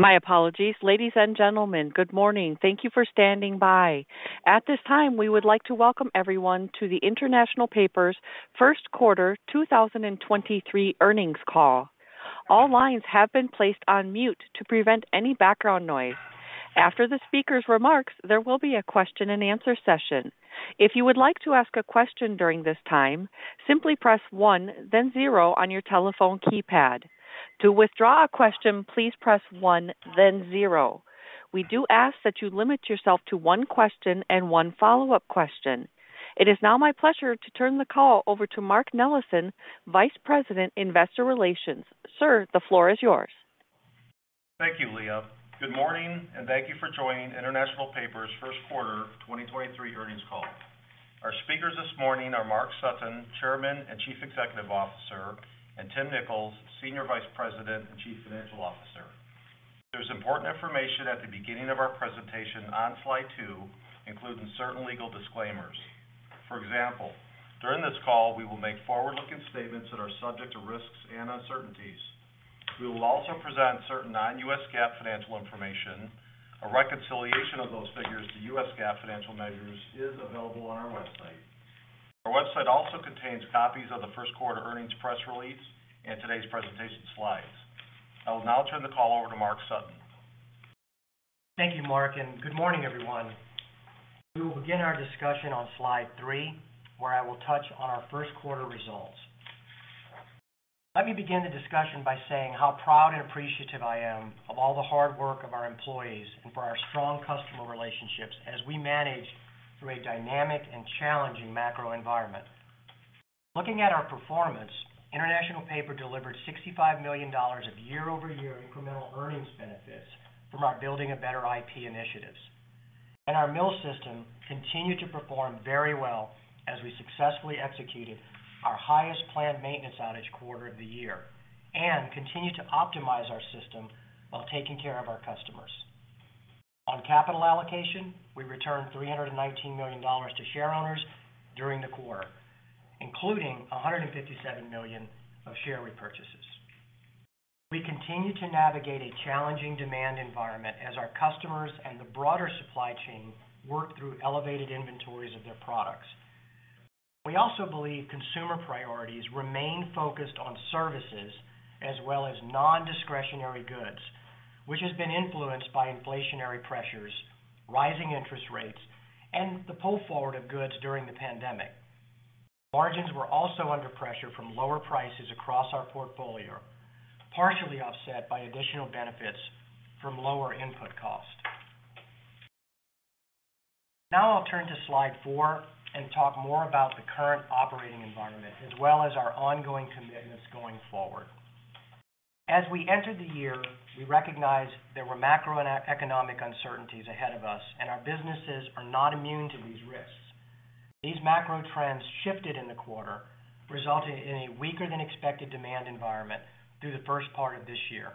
My apologies. Ladies and gentlemen, good morning. Thank you for standing by. At this time, we would like to welcome everyone to The International Paper's Q1 2023 Earnings Call. All lines have been placed on mute to prevent any background noise. After the speaker's remarks, there will be a question-and-answer session. If you would like to ask a question during this time, simply press one then zero on your telephone keypad. To withdraw a question, please press one then zero. We do ask that you limit yourself to one question and one follow-up question. It is now my pleasure to turn the call over to Mark Nellessen, Vice President, Investor Relations. Sir, the floor is yours. Thank you, Leah. Good morning, and thank you for joining International Paper's Q1 2023 Earnings Call. Our speakers this morning are Mark Sutton, Chairman and Chief Executive Officer, and Tim Nicholls, Senior Vice President and Chief Financial Officer. There's important information at the beginning of our presentation on slide 2, including certain legal disclaimers. For example, during this call, we will make forward-looking statements that are subject to risks and uncertainties. We will also present certain non-US GAAP financial information. A reconciliation of those figures to US GAAP financial measures is available on our website. Our website also contains copies of the Q1 earnings press release and today's presentation slides. I will now turn the call over to Mark Sutton. Thank you, Mark. Good morning, everyone. We will begin our discussion on slide 3, where I will touch on our Q1 results. Let me begin the discussion by saying how proud and appreciative I am of all the hard work of our employees and for our strong customer relationships as we manage through a dynamic and challenging macro environment. Looking at our performance, International Paper delivered $65 million of year-over-year incremental earnings benefits from our Building a Better IP initiatives. Our mill system continued to perform very well as we successfully executed our highest planned maintenance outage quarter of the year and continued to optimize our system while taking care of our customers. On capital allocation, we returned $319 million to share owners during the quarter, including $157 million of share repurchases. We continue to navigate a challenging demand environment as our customers and the broader supply chain work through elevated inventories of their products. We also believe consumer priorities remain focused on services as well as nondiscretionary goods, which has been influenced by inflationary pressures, rising interest rates, and the pull forward of goods during the pandemic. Margins were also under pressure from lower prices across our portfolio, partially offset by additional benefits from lower input cost. Now I'll turn to slide 4 and talk more about the current operating environment as well as our ongoing commitments going forward. As we entered the year, we recognized there were macroeconomic uncertainties ahead of us, and our businesses are not immune to these risks. These macro trends shifted in the quarter, resulting in a weaker than expected demand environment through the first part of this year.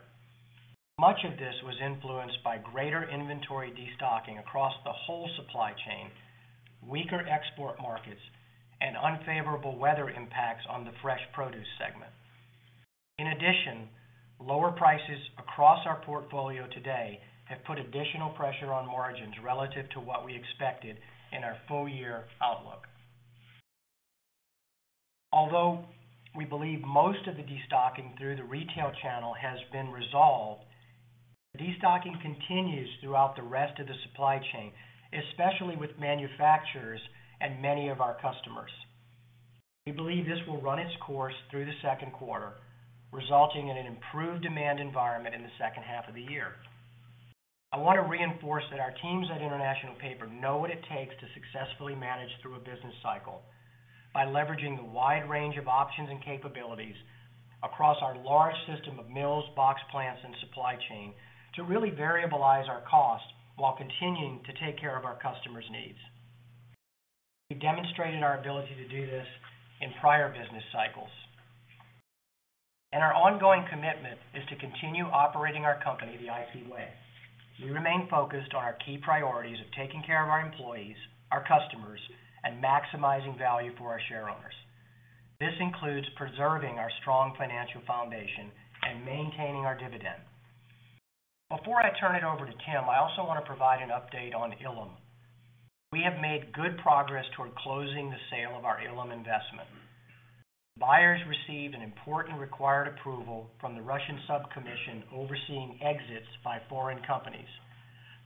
Much of this was influenced by greater inventory destocking across the whole supply chain, weaker export markets, and unfavourable weather impacts on the fresh produce segment. In addition, lower prices across our portfolio today have put additional pressure on margins relative to what we expected in our full year outlook. Although we believe most of the destocking through the retail channel has been resolved, destocking continues throughout the rest of the supply chain, especially with manufacturers and many of our customers. We believe this will run its course through the Q2, resulting in an improved demand environment in the H2 of the year. I want to reinforce that our teams at International Paper know what it takes to successfully manage through a business cycle by leveraging the wide range of options and capabilities across our large system of mills, box plants, and supply chain to really variabilize our cost while continuing to take care of our customers' needs. We demonstrated our ability to do this in prior business cycles. Our ongoing commitment is to continue operating our company the IP way. We remain focused on our key priorities of taking care of our employees, our customers, and maximizing value for our shareowners. This includes preserving our strong financial foundation and maintaining our dividend. Before I turn it over to Tim, I also want to provide an update on Ilim. We have made good progress toward closing the sale of our Ilim investment. Buyers received an important required approval from the Russian sub-commission overseeing exits by foreign companies,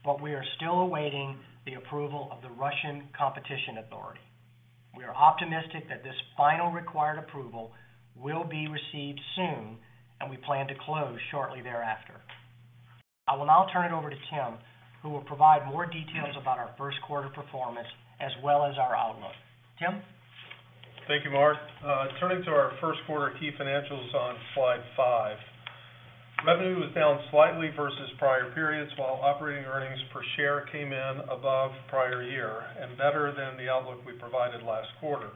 but we are still awaiting the approval of the Russian Competition Authority. We are optimistic that this final required approval will be received soon, and we plan to close shortly thereafter. I will now turn it over to Tim, who will provide more details about our Q1 performance as well as our outlook. Tim? Thank you, Mark. Turning to our Q1 key financials on slide five. Revenue was down slightly versus prior periods while operating earnings per share came in above prior year and better than the outlook we provided last quarter.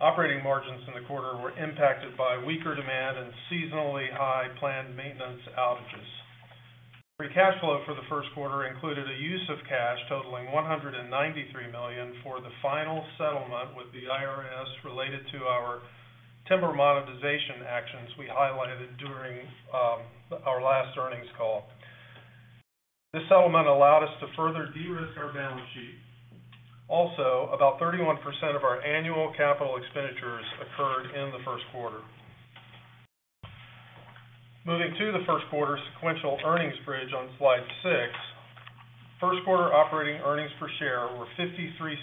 Operating margins in the quarter were impacted by weaker demand and seasonally high planned maintenance outages. Free cash flow for the Q1 included a use of cash totalling $193 million for the final settlement with the IRS related to our Timber monetization actions we highlighted during our last earnings call. This settlement allowed us to further de-risk our balance sheet. About 31% of our annual capital expenditures occurred in the Q1. Moving to the Q1 sequential earnings bridge on slide six. Q1 operating earnings per share were $0.53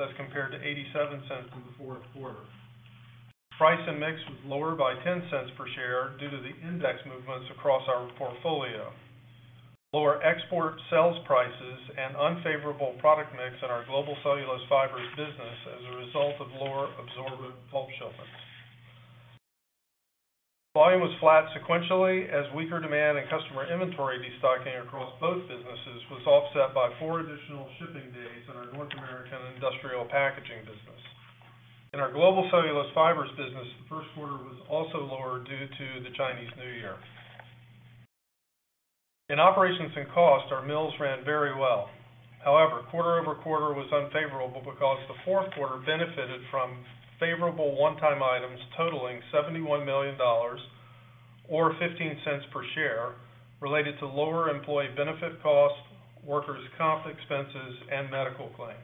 as compared to $0.87 from the Q4. Price and mix was lower by $0.10 per share due to the index movements across our portfolio. Lower export sales prices and unfavourable product mix in our Global Cellulose Fibers business as a result of lower absorbent pulp shipments. Volume was flat sequentially as weaker demand and customer inventory destocking across both businesses was offset by four additional shipping days in our North American Industrial Packaging business. In our Global Cellulose Fibers business, the Q1 was also lower due to the Chinese New Year. In operations and cost, our mills ran very well. quarter-over-quarter was unfavourable because the Q4 benefited from favourable one-time items totalling $71 million or $0.15 per share, related to lower employee benefit costs, workers' comp expenses, and medical claims.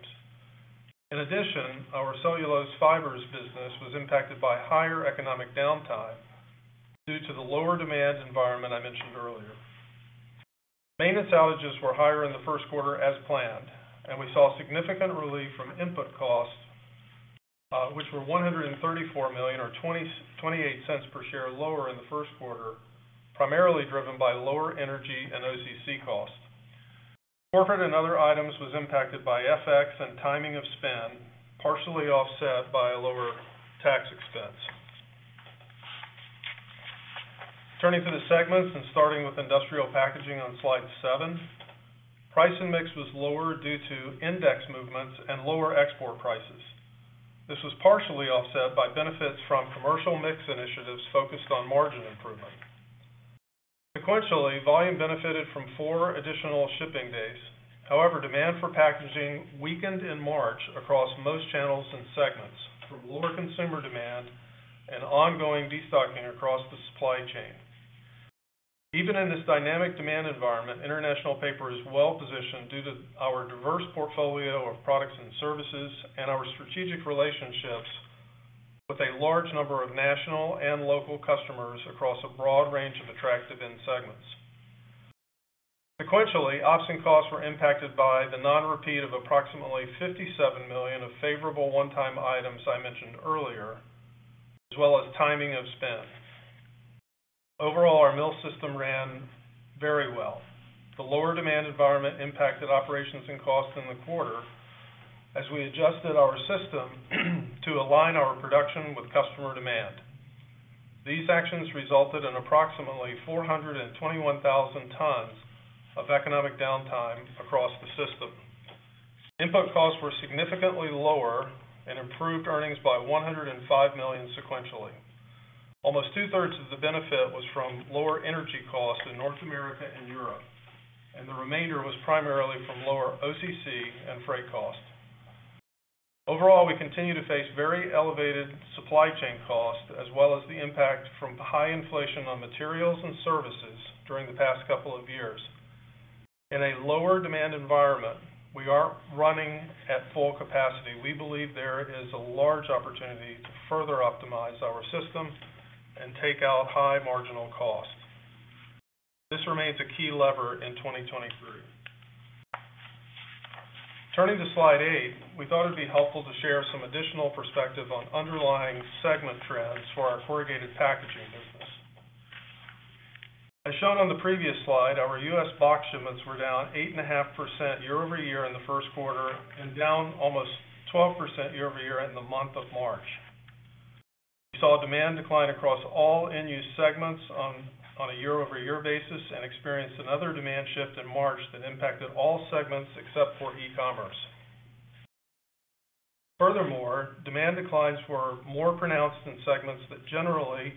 Our Cellulose Fibers business was impacted by higher economic downtime due to the lower demand environment I mentioned earlier. Maintenance outages were higher in the Q1 as planned, we saw significant relief from input costs, which were $134 million or $0.28 per share lower in the Q1, primarily driven by lower energy and OCC costs. Corporate and other items was impacted by FX and timing of spend, partially offset by a lower tax expense. Turning to the segments and starting with Industrial Packaging on slide 7. Price and mix was lower due to index movements and lower export prices. This was partially offset by benefits from commercial mix initiatives focused on margin improvement. Sequentially, volume benefited from four additional shipping days. However, demand for packaging weakened in March across most channels and segments from lower consumer demand and ongoing destocking across the supply chain. Even in this dynamic demand environment, International Paper is well-positioned due to our diverse portfolio of products and services and our strategic relationships with a large number of national and local customers across a broad range of attractive end segments. Sequentially, ops and costs were impacted by the non-repeat of approximately $57 million of favourable one-time items I mentioned earlier, as well as timing of spend. Overall, our mill system ran very well. The lower demand environment impacted operations and costs in the quarter as we adjusted our system to align our production with customer demand. These actions resulted in approximately 421,000 tons of economic downtime across the system. Input costs were significantly lower and improved earnings by $105 million sequentially. Almost 2/3 of the benefit was from lower energy costs in North America and Europe, and the remainder was primarily from lower OCC and freight costs. Overall, we continue to face very elevated supply chain costs, as well as the impact from high inflation on materials and services during the past couple of years. In a lower demand environment, we aren't running at full capacity. We believe there is a large opportunity to further optimize our system and take out high marginal costs. This remains a key lever in 2023. Turning to slide 8, we thought it'd be helpful to share some additional perspective on underlying segment trends for our corrugated packaging business. As shown on the previous slide, our U.S. box shipments were down 8.5% year-over-year in the Q1, and down almost 12% year-over-year in the month of March. We saw demand decline across all end-use segments on a year-over-year basis and experienced another demand shift in March that impacted all segments except for e-commerce. Furthermore, demand declines were more pronounced in segments that generally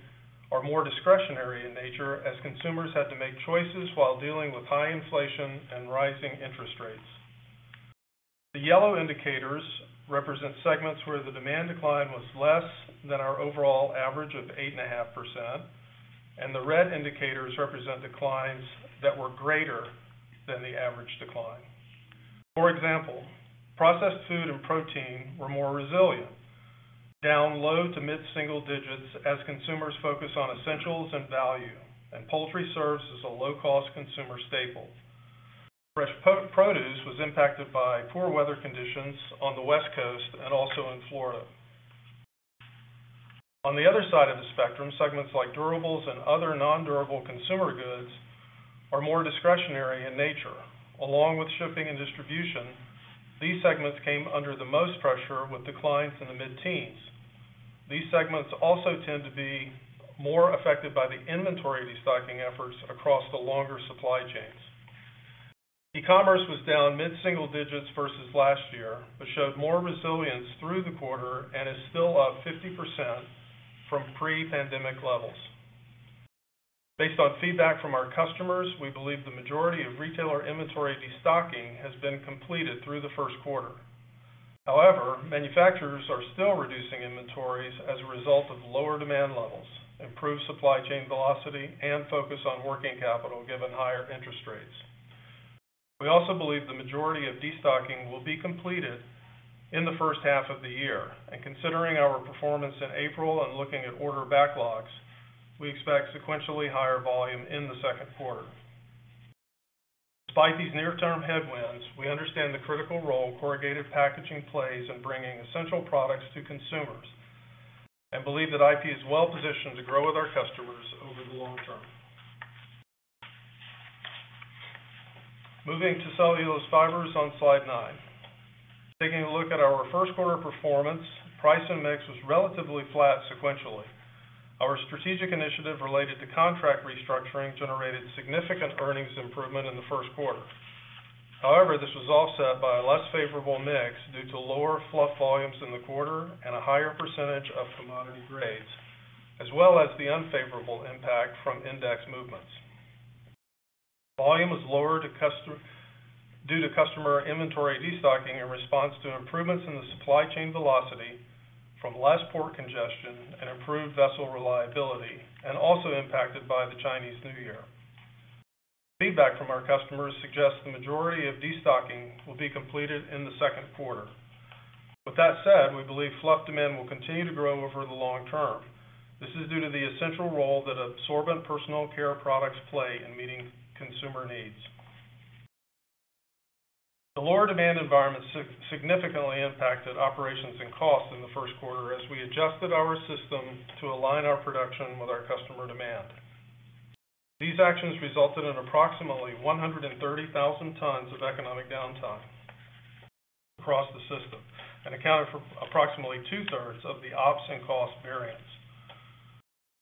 are more discretionary in nature as consumers had to make choices while dealing with high inflation and rising interest rates. The yellow indicators represent segments where the demand decline was less than our overall average of 8.5%, and the red indicators represent declines that were greater than the average decline. For example, processed food and protein were more resilient, down low to mid-single digits as consumers focus on essentials and value, and poultry serves as a low-cost consumer staple. Fresh produce was impacted by poor weather conditions on the West Coast and also in Florida. On the other side of the spectrum, segments like durables and other non-durable consumer goods are more discretionary in nature. Along with shipping and distribution, these segments came under the most pressure with declines in the mid-teens. These segments also tend to be more affected by the inventory destocking efforts across the longer supply chains. E-commerce was down mid-single digits versus last year, but showed more resilience through the quarter and is still up 50% from pre-pandemic levels. Based on feedback from our customers, we believe the majority of retailer inventory destocking has been completed through the Q1. Manufacturers are still reducing inventories as a result of lower demand levels, improved supply chain velocity, and focus on working capital given higher interest rates. We also believe the majority of destocking will be completed in the H1 of the year. Considering our performance in April and looking at order backlogs, we expect sequentially higher volume in the Q2. Despite these near-term headwinds, we understand the critical role corrugated packaging plays in bringing essential products to consumers, and believe that IP is well-positioned to grow with our customers over the long term. Moving to cellulose fibers on slide 9. Taking a look at our Q1 performance, price and mix was relatively flat sequentially. Our strategic initiative related to contract restructuring generated significant earnings improvement in the Q1. This was offset by a less favourable mix due to lower fluff volumes in the quarter and a higher % of commodity grades, as well as the unfavourable impact from index movements. Volume was lower due to customer inventory destocking in response to improvements in the supply chain velocity from less port congestion and improved vessel reliability, and also impacted by the Chinese New Year. Feedback from our customers suggests the majority of destocking will be completed in the Q2. With that said, we believe fluff demand will continue to grow over the long term. This is due to the essential role that absorbent personal care products play in meeting consumer needs. The lower demand environment significantly impacted operations and costs in the Q1 as we adjusted our system to align our production with our customer demand. These actions resulted in approximately 130,000 tons of economic downtime across the system, and accounted for approximately 2/3 of the ops and cost variance.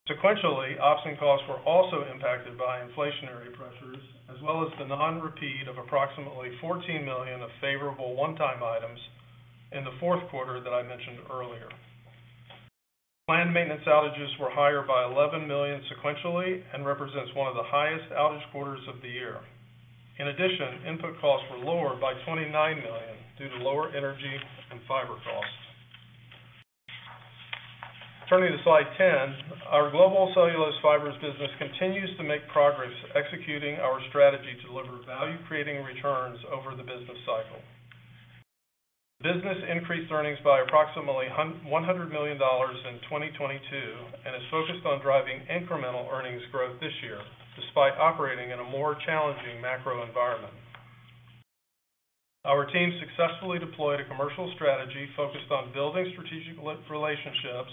Sequentially, ops and costs were also impacted by inflationary pressures, as well as the non-repeat of approximately $14 million of favourable one-time items in the Q4 that I mentioned earlier. Planned maintenance outages were higher by $11 million sequentially, and represents one of the highest outage quarters of the year. In addition, input costs were lower by $29 million due to lower energy and fiber costs. Turning to slide 10, our Global Cellulose fibers business continues to make progress executing our strategy to deliver value-creating returns over the business cycle. The business increased earnings by approximately $100 million in 2022 and is focused on driving incremental earnings growth this year, despite operating in a more challenging macro environment. Our team successfully deployed a commercial strategy focused on building strategic relationships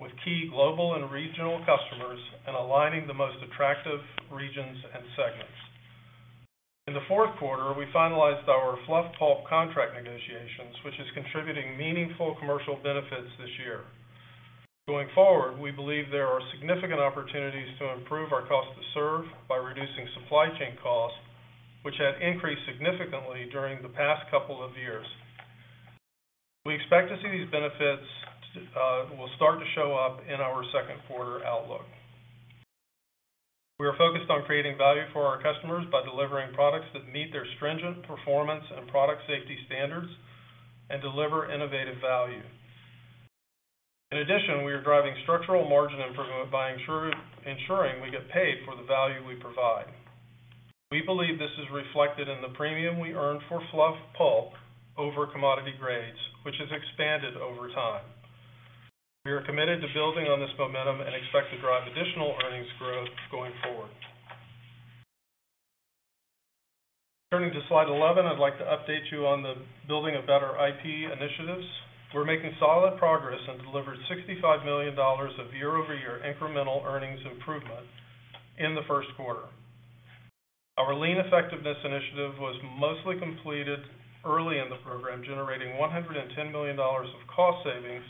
with key global and regional customers and aligning the most attractive regions and segments. In the Q4, we finalized our fluff pulp contract negotiations, which is contributing meaningful commercial benefits this year. Going forward, we believe there are significant opportunities to improve our cost to serve by reducing supply chain costs, which had increased significantly during the past couple of years. We expect to see these benefits will start to show up in our Q2 outlook. We are focused on creating value for our customers by delivering products that meet their stringent performance and product safety standards and deliver innovative value. In addition, we are driving structural margin improvement by ensuring we get paid for the value we provide. We believe this is reflected in the premium we earn for fluff pulp over commodity grades, which has expanded over time. We are committed to building on this momentum and expect to drive additional earnings growth going forward. Turning to slide 11, I'd like to update you on the Building a Better IP initiatives. We're making solid progress and delivered $65 million of year-over-year incremental earnings improvement in the Q1. Our lean effectiveness initiative was mostly completed early in the program, generating $110 million of cost savings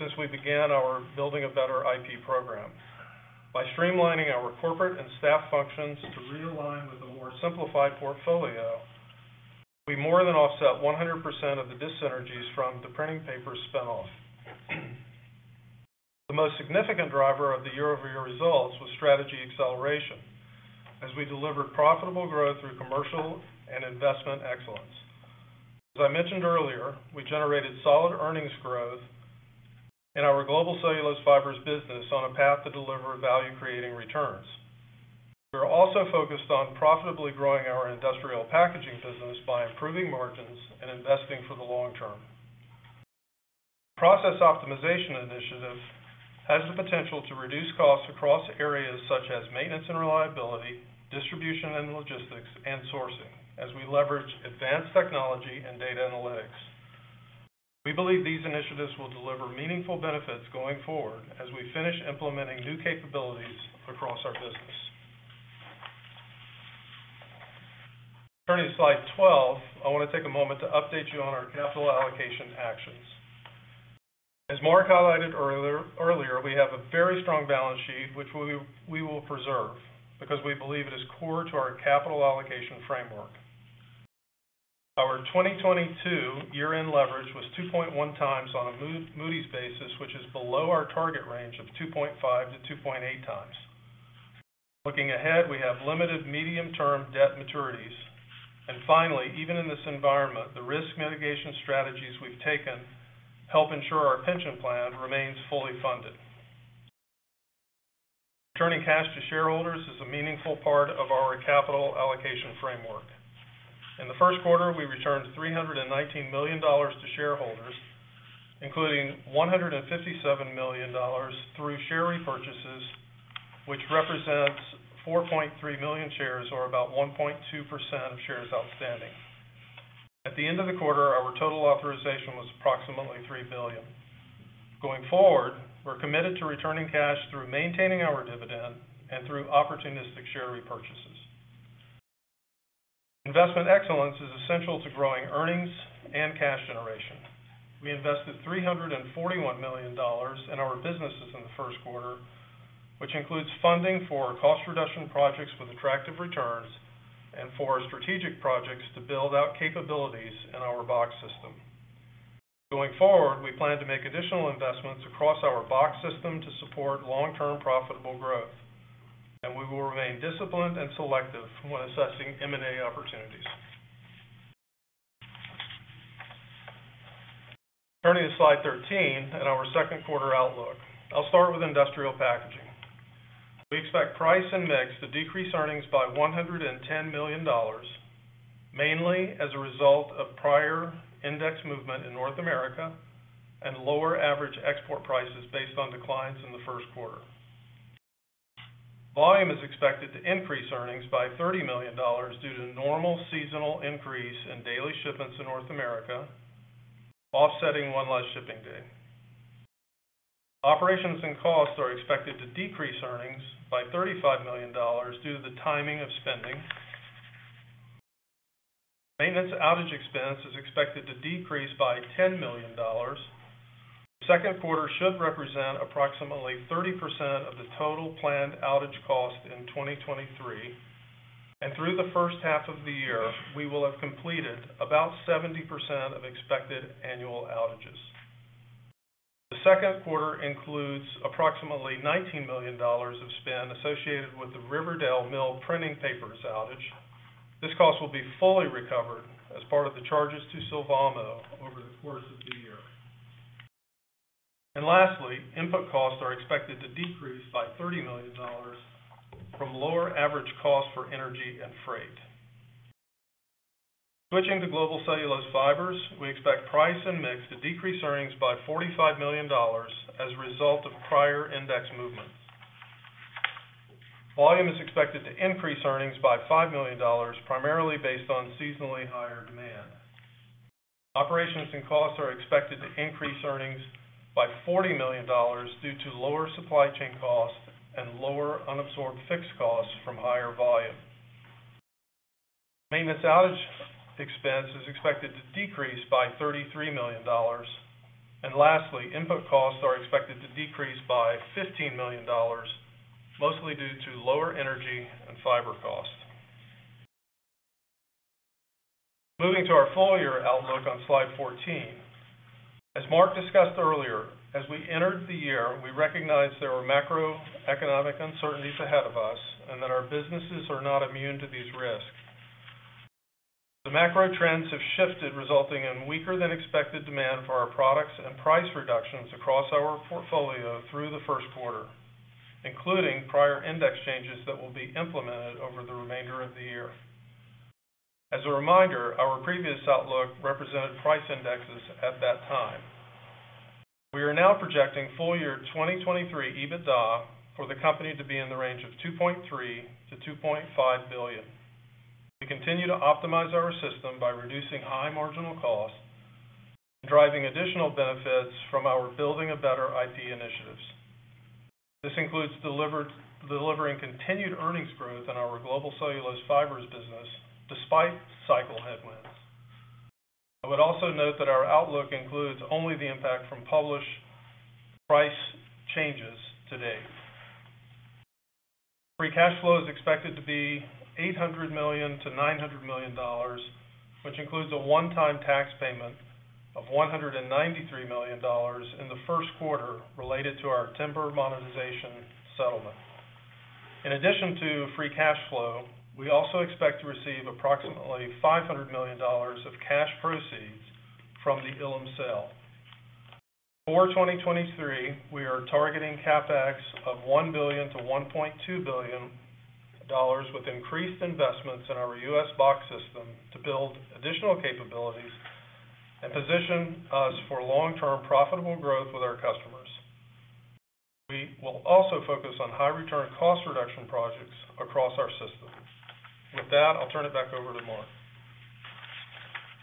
since we began our Building a Better IP program. By streamlining our corporate and staff functions to realign with a more simplified portfolio, we more than offset 100% of the dyssynergies from the printing paper spinoff. The most significant driver of the year-over-year results was strategy acceleration, as we delivered profitable growth through commercial and investment excellence. As I mentioned earlier, I generated solid earnings growth in our Global Cellulose fibers business on a path to deliver value-creating returns. We are also focused on profitably growing our Industrial Packaging business by improving margins and investing for the long term. The process optimization initiative has the potential to reduce costs across areas such as maintenance and reliability, distribution and logistics, and sourcing as we leverage advanced technology and data analytics. We believe these initiatives will deliver meaningful benefits going forward as we finish implementing new capabilities across our business. Turning to slide 12, I wanna take a moment to update you on our capital allocation actions. As Mark highlighted earlier, we have a very strong balance sheet, which we will preserve because we believe it is core to our capital allocation framework. Our 2022 year-end leverage was 2.1 times on a Moody's basis, which is below our target range of 2.5 to 2.8 times. Looking ahead, we have limited medium-term debt maturities. Finally, even in this environment, the risk mitigation strategies we've taken help ensure our pension plan remains fully funded. Returning cash to shareholders is a meaningful part of our capital allocation framework. In the Q1, we returned $319 million to shareholders, including $157 million through share repurchases, which represents 4.3 million shares or about 1.2% of shares outstanding. At the end of the quarter, our total authorization was approximately $3 billion. Going forward, we're committed to returning cash through maintaining our dividend and through opportunistic share repurchases. Investment excellence is essential to growing earnings and cash generation. We invested $341 million in our businesses in the Q1, which includes funding for cost reduction projects with attractive returns and for our strategic projects to build out capabilities in our box system. Going forward, we plan to make additional investments across our box system to support long-term profitable growth, and we will remain disciplined and selective when assessing M&A opportunities. Turning to slide 13 and our Q2 outlook. I'll start with Industrial Packaging. We expect price and mix to decrease earnings by $110 million, mainly as a result of prior index movement in North America and lower average export prices based on declines in the Q1. Volume is expected to increase earnings by $30 million due to normal seasonal increase in daily shipments to North America, offsetting one less shipping day. Operations and costs are expected to decrease earnings by $35 million due to the timing of spending. Maintenance outage expense is expected to decrease by $10 million. Q2 should represent approximately 30% of the total planned outage cost in 2023. Through the H1 of the year, we will have completed about 70% of expected annual outages. The Q2 includes approximately $19 million of spend associated with the Riverdale Mill printing papers outage. This cost will be fully recovered as part of the charges to Sylvamo over the course of the year. Lastly, input costs are expected to decrease by $30 million from lower average cost for energy and freight. Switching to Global Cellulose fibers, we expect price and mix to decrease earnings by $45 million as a result of prior index movements. Volume is expected to increase earnings by $5 million, primarily based on seasonally higher demand. Operations and costs are expected to increase earnings by $40 million due to lower supply chain costs and lower unabsorbed fixed costs from higher volume. Maintenance outage expense is expected to decrease by $33 million. Lastly, input costs are expected to decrease by $15 million, mostly due to lower energy and fiber costs. Moving to our full-year outlook on slide 14. As Mark discussed earlier, as we entered the year, we recognized there were macroeconomic uncertainties ahead of us and that our businesses are not immune to these risks. The macro trends have shifted, resulting in weaker than expected demand for our products and price reductions across our portfolio through the Q1, including prior index changes that will be implemented over the remainder of the year. As a reminder, our previous outlook represented price indexes at that time. We are now projecting full-year 2023 EBITDA for the company to be in the range of $2.3 to $2.5 billion. We continue to optimize our system by reducing high marginal costs and driving additional benefits from our Building a Better IP initiatives. This includes delivering continued earnings growth in our Global Cellulose fibers business despite cycle headwinds. I would also note that our outlook includes only the impact from published price changes to date. Free cash flow is expected to be $800 to 900 million, which includes a one-time tax payment of $193 million in the Q1 related to our timber monetization settlement. In addition to free cash flow, we also expect to receive approximately $500 million of cash proceeds from the Ilim sale. For 2023, we are targeting CapEx of $1 to 1.2 billion with increased investments in our U.S. box system to build additional capabilities and position us for long-term profitable growth with our customers. We will also focus on high return cost reduction projects across our systems. With that, I'll turn it back over to Mark.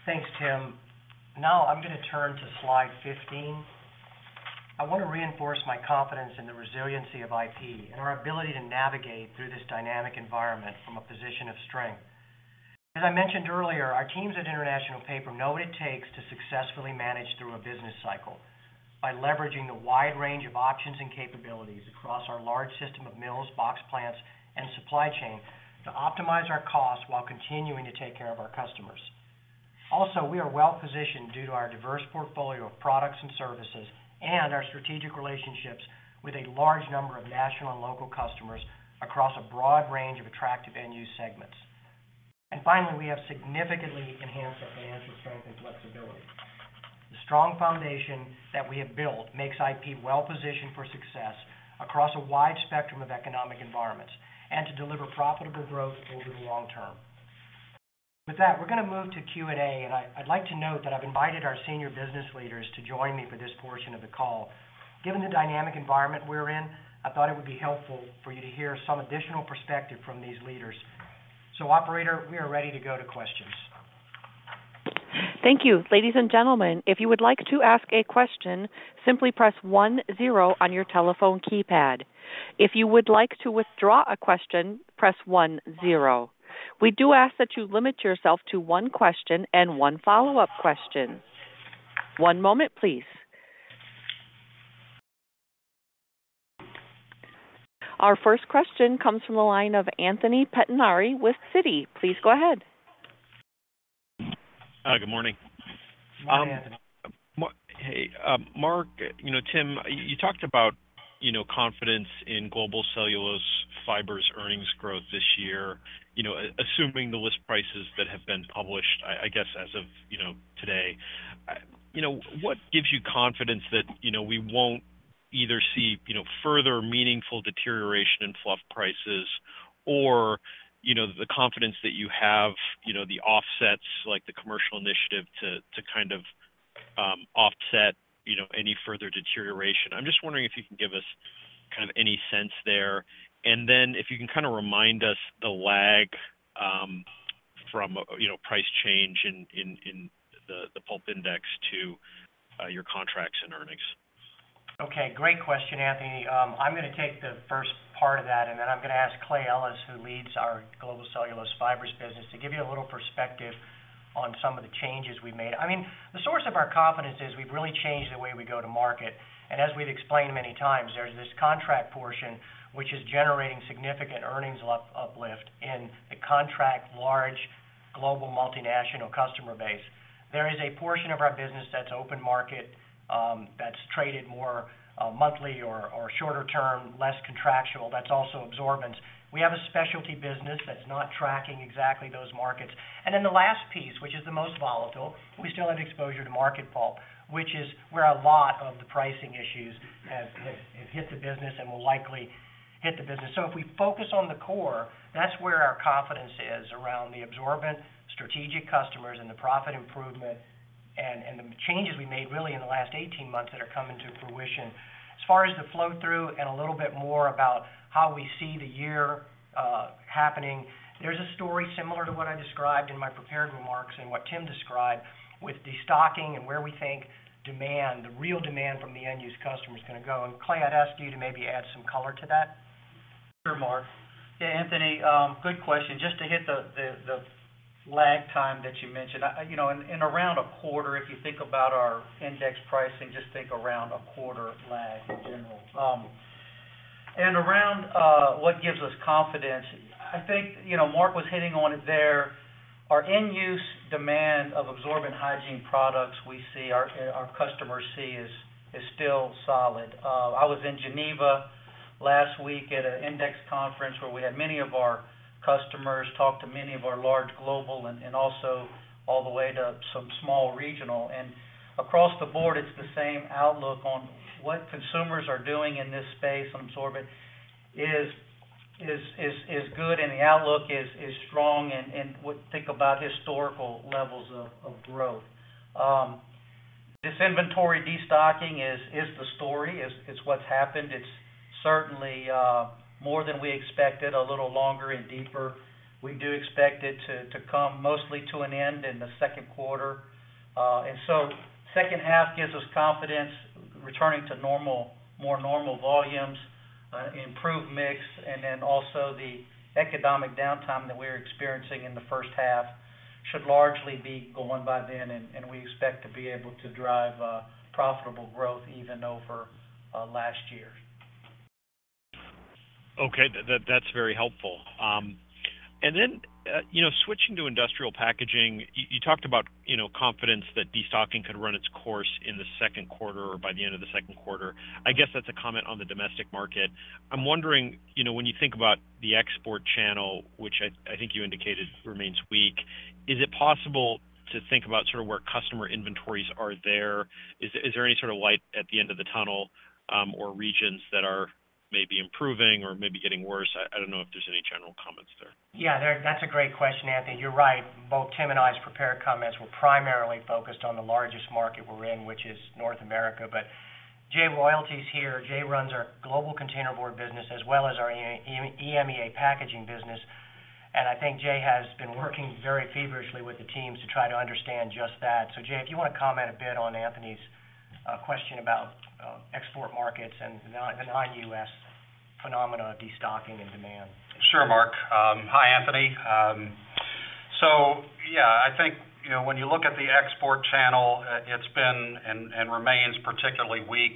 Thanks, Tim. Now I'm going to turn to slide 15. I want to reinforce my confidence in the resiliency of IP and our ability to navigate through this dynamic environment from a position of strength. As I mentioned earlier, our teams at International Paper know what it takes to successfully manage through a business cycle. By leveraging the wide range of options and capabilities across our large system of mills, box plants, and supply chain to optimize our costs while continuing to take care of our customers. Also, we are well-positioned due to our diverse portfolio of products and services and our strategic relationships with a large number of national and local customers across a broad range of attractive end-use segments. Finally, we have significantly enhanced our financial strength and flexibility. The strong foundation that we have built makes IP well-positioned for success across a wide spectrum of economic environments, and to deliver profitable growth over the long term. With that, we're gonna move to Q&A, and I'd like to note that I've invited our senior business leaders to join me for this portion of the call. Given the dynamic environment we're in, I thought it would be helpful for you to hear some additional perspective from these leaders. Operator, we are ready to go to questions. Thank you. Ladies and gentlemen, if you would like to ask a question, simply press one-zero on your telephone keypad. If you would like to withdraw a question, press one-zero. We do ask that you limit yourself to one question and one follow-up question. One moment, please. Our first question comes from the line of Anthony Pettinari with Citi. Please go ahead. Good morning. Go ahead. Hey, Mark, you know, Tim, you talked about, you know, confidence in Global Cellulose fibers earnings growth this year. You know, assuming the list prices that have been published, I guess as of, you know, today, what gives you confidence that, you know, we won't either see, you know, further meaningful deterioration in fluff prices or, you know, the confidence that you have, you know, the offsets like the commercial initiative to kind of offset, you know, any further deterioration? I'm just wondering if you can give us kind of any sense there. If you can kinda remind us the lag from, you know, price change in the pulp index to your contracts and earnings. Okay. Great question, Anthony. I'm gonna take the first part of that, and then I'm gonna ask Clay Ellis, who leads our Global Cellulose fibers business, to give you a little perspective on some of the changes we made. I mean, the source of our confidence is we've really changed the way we go to market. As we've explained many times, there's this contract portion which is generating significant earnings uplift in the contract large global multinational customer base. There is a portion of our business that's open market, that's traded more monthly or shorter term, less contractual, that's also absorbents. We have a specialty business that's not tracking exactly those markets. The last piece, which is the most volatile, we still have exposure to market pulp, which is where a lot of the pricing issues have hit the business and will likely hit the business. If we focus on the core, that's where our confidence is around the absorbent strategic customers and the profit improvement and the changes we made really in the last 18 months that are coming to fruition. As far as the flow-through and a little bit more about how we see the year happening, there's a story similar to what I described in my prepared remarks and what Tim described with destocking and where we think demand, the real demand from the end-use customer is gonna go. Clay, I'd ask you to maybe add some color to that. Sure, Mark. Yeah, Anthony, good question. Just to hit the lag time that you mentioned. You know, in around a quarter, if you think about our index pricing, just think around a quarter lag in general. Around what gives us confidence, I think, you know, Mark was hitting on it there. Our end-use demand of absorbent hygiene products, we see our customers see is still solid. I was in Geneva last week at a index conference where we had many of our customers, talked to many of our large global and also all the way to some small regional. Across the board, it's the same outlook on what consumers are doing in this space on absorbent is good and the outlook is strong and would think about historical levels of growth. This inventory destocking is the story. It's what's happened. It's certainly more than we expected, a little longer and deeper. We do expect it to come mostly to an end in the Q2. H2 gives us confidence, returning to normal, more normal volumes, improved mix, and then also the economic downtime that we're experiencing in the H1 should largely be gone by then, and we expect to be able to drive profitable growth even over last year. Okay. That's very helpful. You know, switching to Industrial Packaging, you talked about, you know, confidence that destocking could run its course in the Q2 or by the end of the Q2. I guess that's a comment on the domestic market. I'm wondering, you know, when you think about the export channel, which I think you indicated remains weak, is it possible to think about sort of where customer inventories are there? Is there any sort of light at the end of the tunnel, or regions that are maybe improving or maybe getting worse? I don't know if there's any general comments there. Yeah. That's a great question, Anthony. You're right. Both Tim and I's prepared comments were primarily focused on the largest market we're in, which is North America. Jay Royalty's here. Jay runs our global containerboard business as well as our EMEA packaging business. I think Jay has been working very feverishly with the teams to try to understand just that. Jay, if you wanna comment a bit on Anthony's question about export markets and the non-U.S. phenomena of destocking and demand. Sure, Mark. Hi, Anthony. I think, you know, when you look at the export channel, it's been and remains particularly weak.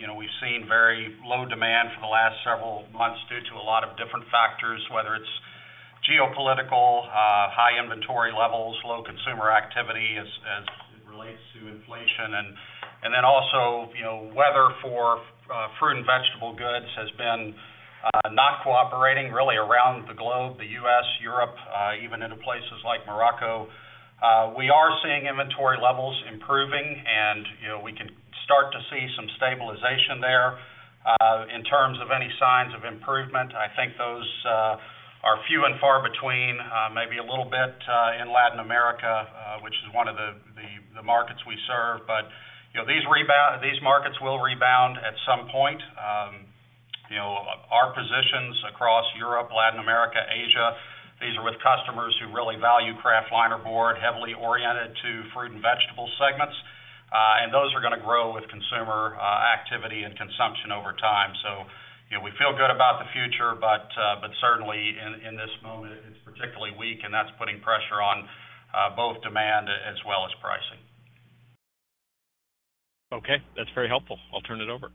You know, we've seen very low demand for the last several months due to a lot of different factors, whether it's geopolitical, high inventory levels, low consumer activity as it relates to inflation. Also, you know, weather for fruit and vegetable goods has been not cooperating really around the globe, the U.S., Europe, even into places like Morocco. We are seeing inventory levels improving and, you know, we can start to see some stabilization there. In terms of any signs of improvement, I think those are few and far between, maybe a little bit in Latin America, which is one of the markets we serve. you know, these markets will rebound at some point. you know, our positions across Europe, Latin America, Asia, these are with customers who really value kraft linerboard, heavily oriented to fruit and vegetable segments. and those are gonna grow with consumer activity and consumption over time. you know, we feel good about the future, but certainly in this moment, it's particularly weak, and that's putting pressure on both demand as well as pricing. Okay. That's very helpful. I'll turn it over.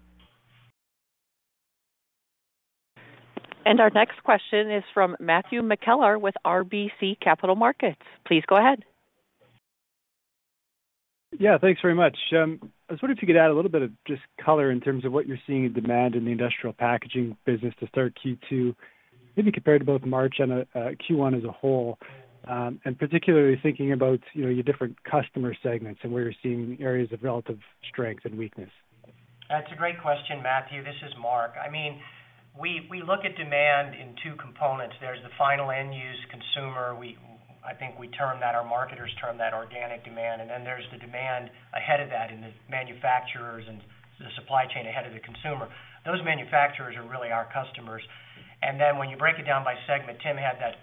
Our next question is from Matthew McKellar with RBC Capital Markets. Please go ahead. Yeah, thanks very much. I was wondering if you could add a little bit of just colour in terms of what you're seeing in demand in the Industrial Packaging business to start Q2, maybe compared to both March and Q1 as a whole. Particularly thinking about, you know, your different customer segments and where you're seeing areas of relative strength and weakness. That's a great question, Matthew. This is Mark. I mean, we look at demand in two components. There's the final end-use consumer. I think we term that, our marketers term that organic demand. There's the demand ahead of that in the manufacturers and the supply chain ahead of the consumer. Those manufacturers are really our customers. When you break it down by segment, Tim had that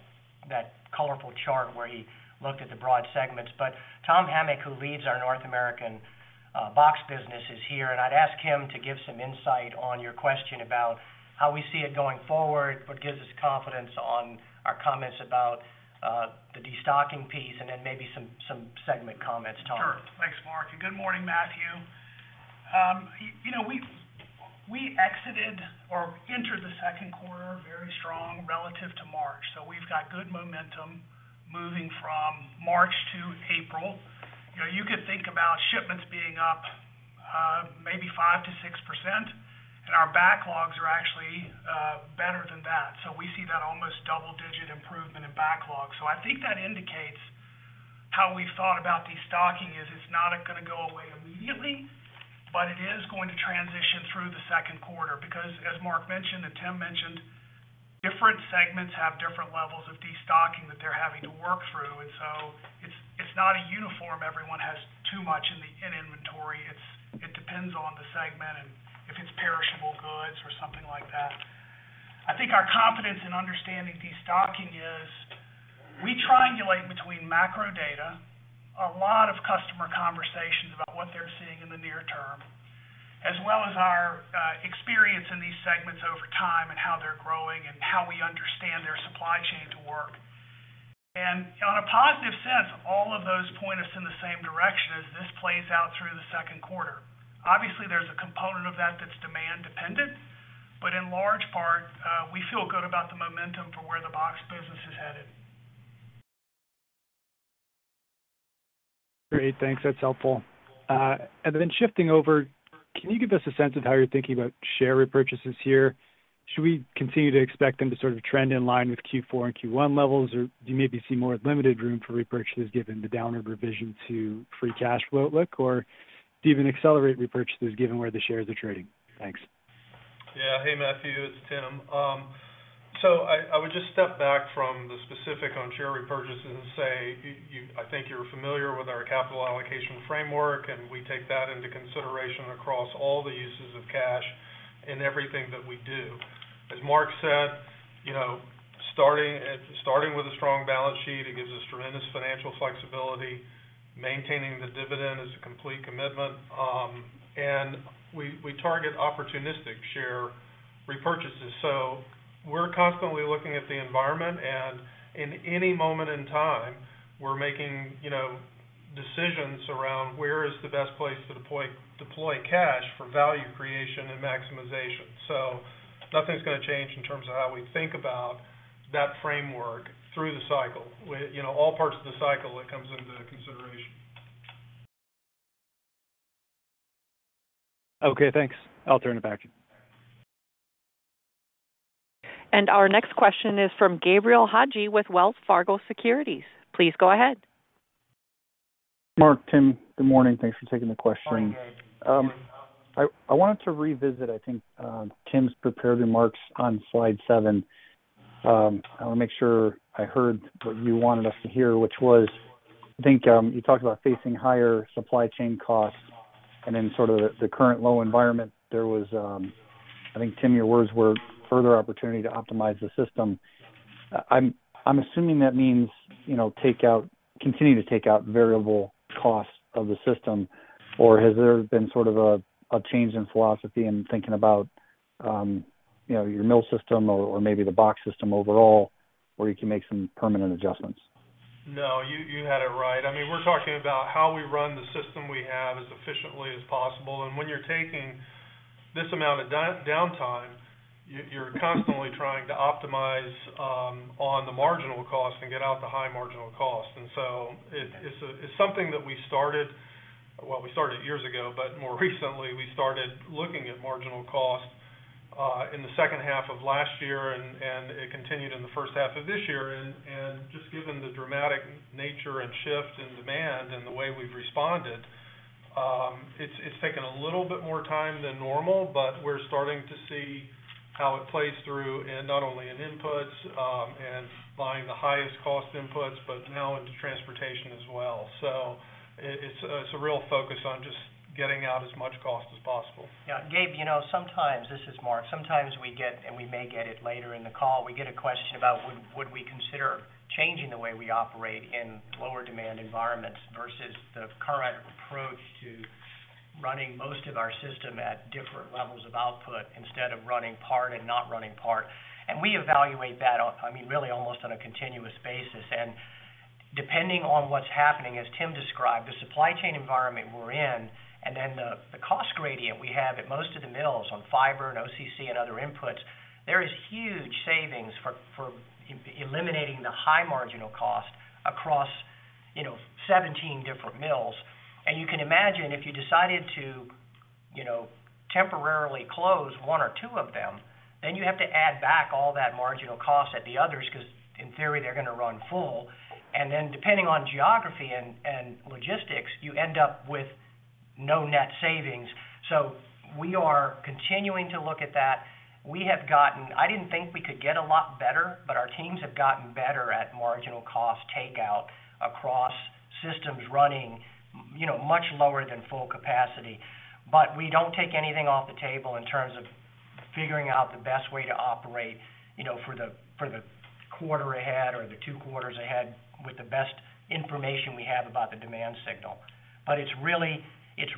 colourful chart where he looked at the broad segments. Tom Hamic, who leads our North American box business, is here, and I'd ask him to give some insight on your question about how we see it going forward, what gives us confidence on our comments about the destocking piece, and then maybe some segment comments, Tom. Sure. Thanks, Mark. Good morning, Matthew. You know, we exited or entered the Q2 very strong relative to March. We've got good momentum moving from March to April. You know, you could think about shipments being up, maybe 5% to 6%, and our backlogs are actually better than that. We see that almost double-digit improvement in backlogs. I think that indicates how we've thought about destocking, is it's not gonna go away immediately, but it is going to transition through the Q2. Because as Mark mentioned and Tim mentioned, different segments have different levels of destocking that they're having to work through. It's, it's not a uniform everyone has too much in inventory. It's, it depends on the segment and if it's perishable goods or something like that. I think our confidence in understanding destocking is we triangulate between macro data, a lot of customer conversations about what they're seeing in the near term, as well as our experience in these segments over time and how they're growing and how we understand their supply chain to work. On a positive sense, all of those point us in the same direction as this plays out through the Q2. Obviously, there's a component of that that's demand dependent, but in large part, we feel good about the momentum for where the box business is headed. Great. Thanks. That's helpful. Then shifting over, can you give us a sense of how you're thinking about share repurchases here? Should we continue to expect them to sort of trend in line with Q4 and Q1 levels? Do you maybe see more limited room for repurchases given the downward revision to free cash flow outlook? Do you even accelerate repurchases given where the shares are trading? Thanks. Hey, Matthew, it's Tim. I would just step back from the specific on share repurchases and say you I think you're familiar with our capital allocation framework, and we take that into consideration across all the uses of cash in everything that we do. As Mark said, you know, starting with a strong balance sheet, it gives us tremendous financial flexibility. Maintaining the dividend is a complete commitment. We target opportunistic share repurchases. We're constantly looking at the environment, and in any moment in time, we're making, you know, decisions around where is the best place to deploy cash for value creation and maximization. Nothing's gonna change in terms of how we think about that framework through the cycle. You know, all parts of the cycle that comes into consideration. Okay, thanks. I'll turn it back. Our next question is from Gabe Hajde with Wells Fargo Securities. Please go ahead. Mark, Tim, good morning. Thanks for taking the question. Morning. I wanted to revisit, I think, Tim's prepared remarks on slide 7. I wanna make sure I heard what you wanted us to hear, which was, I think, you talked about facing higher supply chain costs and in sort of the current low environment, there was, I think, Tim, your words were further opportunity to optimize the system. I'm assuming that means, you know, continue to take out variable costs of the system, or has there been sort of a change in philosophy in thinking about you know, your mill system or maybe the box system overall where you can make some permanent adjustments? No, you had it right. I mean, we're talking about how we run the system we have as efficiently as possible. When you're taking this amount of downtime, you're constantly trying to optimize on the marginal cost and get out the high marginal cost. It's a, it's something that we started. Well, we started years ago, but more recently we started looking at marginal cost in the H2 of last year and it continued in the H1 of this year. Just given the dramatic nature and shift in demand and the way we've responded, it's taken a little bit more time than normal, but we're starting to see how it plays through in not only in inputs and buying the highest cost inputs, but now into transportation as well. it's a real focus on just getting out as much cost as possible. Yeah, Gabe, you know, sometimes, this is Mark, sometimes we get, and we may get it later in the call, we get a question about would we consider changing the way we operate in lower demand environments versus the current approach to running most of our system at different levels of output instead of running part and not running part. We evaluate that on, I mean, really almost on a continuous basis. Depending on what's happening, as Tim described, the supply chain environment we're in and then the cost gradient we have at most of the mills on fiber and OCC and other inputs, there is huge savings for eliminating the high marginal cost across, you know, 17 different mills. You can imagine if you decided to, you know, temporarily close one or two of them, then you have to add back all that marginal cost at the others, 'cause in theory, they're gonna run full. Depending on geography and logistics, you end up with no net savings. We are continuing to look at that. We have gotten. I didn't think we could get a lot better, but our teams have gotten better at marginal cost takeout across systems running, you know, much lower than full capacity. We don't take anything off the table in terms of figuring out the best way to operate, you know, for the, for the quarter ahead or the two quarters ahead with the best information we have about the demand signal. It's really an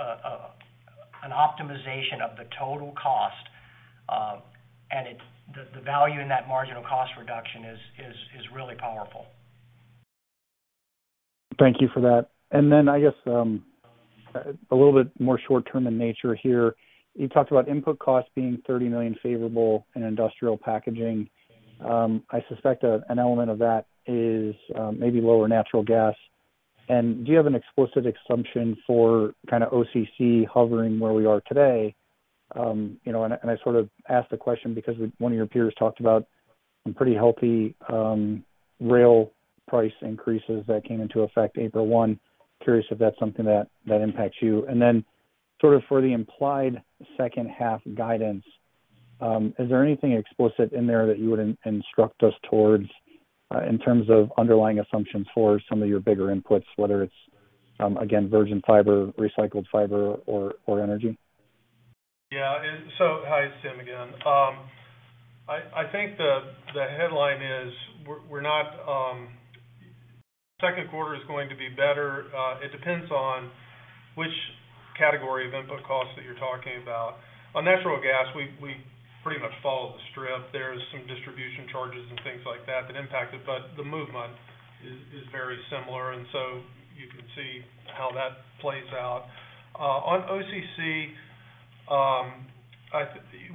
optimization of the total cost, and the value in that marginal cost reduction is really powerful. Thank you for that. I guess, a little bit more short-term in nature here. You talked about input costs being $30 million favourable in Industrial Packaging. I suspect that an element of that is maybe lower natural gas. Do you have an explicit assumption for kinda OCC hovering where we are today? You know, I sort of ask the question because one of your peers talked about some pretty healthy rail price increases that came into effect April 1. Curious if that's something that impacts you. Sort of for the implied H2 guidance, is there anything explicit in there that you would instruct us towards in terms of underlying assumptions for some of your bigger inputs, whether it's again, virgin fiber, recycled fiber, or energy? Yeah. Hi, it's Tim again. I think the headline is we're not. Q2 is going to be better. It depends on which category of input costs that you're talking about. On natural gas, we pretty much follow the strip. There's some distribution charges and things like that that impact it, but the movement is very similar. You can see how that plays out. On OCC,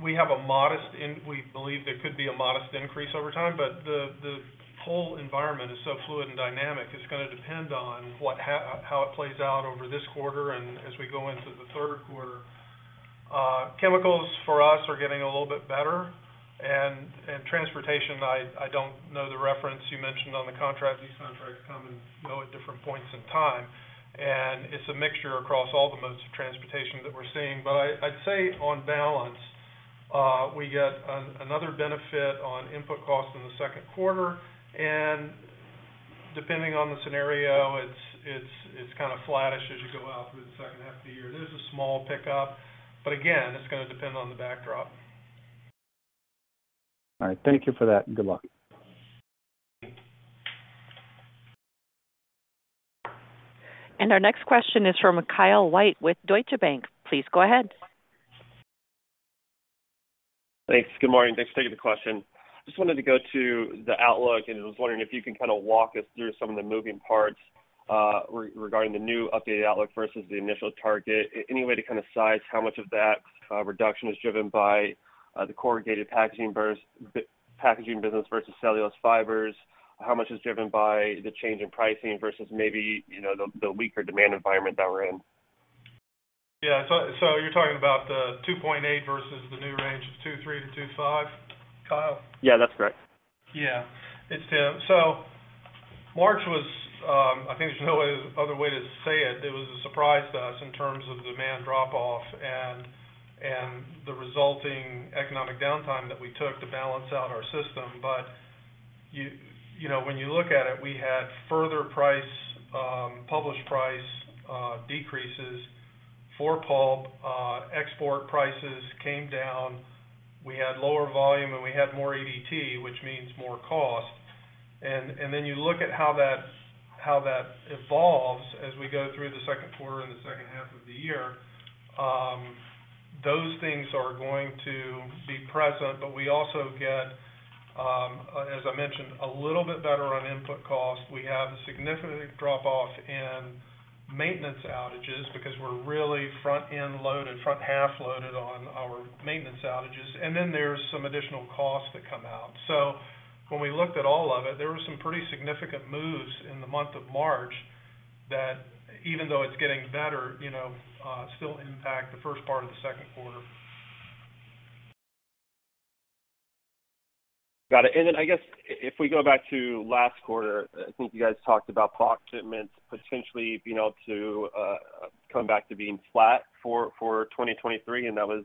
we have a modest we believe there could be a modest increase over time, but the whole environment is so fluid and dynamic, it's gonna depend on what how it plays out over this quarter and as we go into the Q3. Chemicals for us are getting a little bit better. Transportation, I don't know the reference you mentioned on the contract. These contracts come and go at different points in time, and it's a mixture across all the modes of transportation that we're seeing. I'd say on balance, we get another benefit on input costs in the Q2. Depending on the scenario, it's kind of flattish as you go out through the H2 of the year. There's a small pickup, but again, it's gonna depend on the backdrop. All right. Thank you for that, and good luck. Our next question is from Kyle White with Deutsche Bank. Please go ahead. Thanks. Good morning. Thanks for taking the question. Just wanted to go to the outlook and was wondering if you can kinda walk us through some of the moving parts, regarding the new updated outlook versus the initial target. Any way to kinda size how much of that reduction is driven by the corrugated packaging business versus cellulose fibers? How much is driven by the change in pricing versus maybe, you know, the weaker demand environment that we're in? Yeah. You're talking about the 2.8 versus the new range of 2.3 to 2.5, Kyle? Yeah, that's correct. Yeah. It's Tim. March was, I think there's no other way to say it. It was a surprise to us in terms of demand drop-off and the resulting economic downtime that we took to balance out our system. You know, when you look at it, we had further price, published price, decreases for pulp. Export prices came down. We had lower volume and we had more ADT, which means more cost. You look at how that evolves as we go through the Q2 and the H2 of the year, those things are going to be present. We also get, as I mentioned, a little bit better on input costs. We have a significant drop off in maintenance outages because we're really front-end loaded, front-half loaded on our maintenance outages. There's some additional costs that come out. When we looked at all of it, there were some pretty significant moves in the month of March that even though it's getting better, you know, still impact the first part of the Q2. Got it. I guess if we go back to last quarter, I think you guys talked about box shipments potentially being able to come back to being flat for 2023, and that was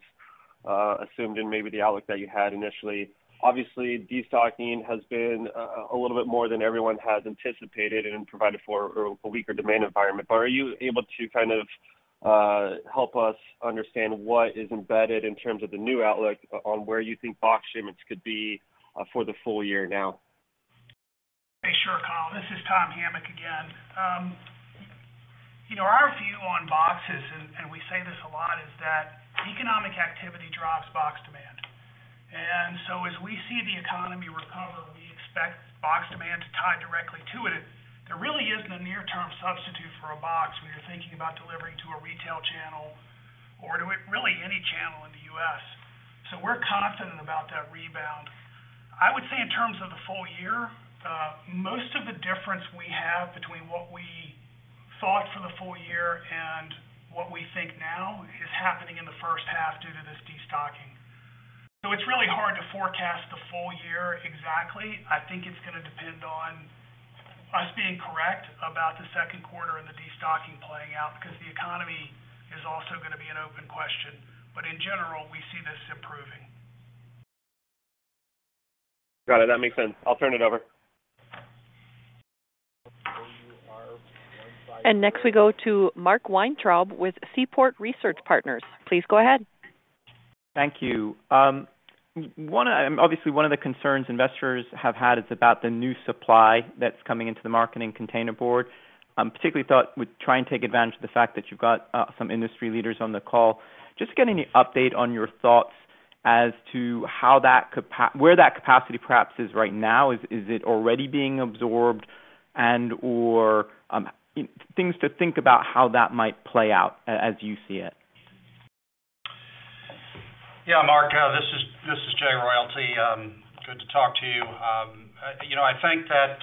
assumed in maybe the outlook that you had initially. Obviously, destocking has been a little bit more than everyone had anticipated and provided for a weaker demand environment. Are you able to kind of help us understand what is embedded in terms of the new outlook on where you think box shipments could be for the full year now? Sure, Kyle, this is Tom Hamic again. You know, our view on boxes, and we say this a lot, is that economic activity drives box demand. As we see the economy recover, we expect box demand to tie directly to it. There really isn't a near-term substitute for a box when you're thinking about delivering to a retail channel or to really any channel in the U.S. We're confident about that rebound. I would say in terms of the full year, most of the difference we have between what we thought for the full year and what we think now is happening in the H1 due to this destocking. It's really hard to forecast the full year exactly. I think it's gonna depend on us being correct about the Q2 and the destocking playing out, because the economy is also gonna be an open question. In general, we see this improving. Got it. That makes sense. I'll turn it over. Next we go to Mark Weintraub with Seaport Research Partners. Please go ahead. Thank you. Obviously one of the concerns investors have had is about the new supply that's coming into the market in containerboard. Particularly thought we'd try and take advantage of the fact that you've got some industry leaders on the call. Just get any update on your thoughts as to how that capacity perhaps is right now. Is it already being absorbed and/or things to think about how that might play out as you see it? Yeah, Mark, this is Jay Royalty. Good to talk to you. You know, I think that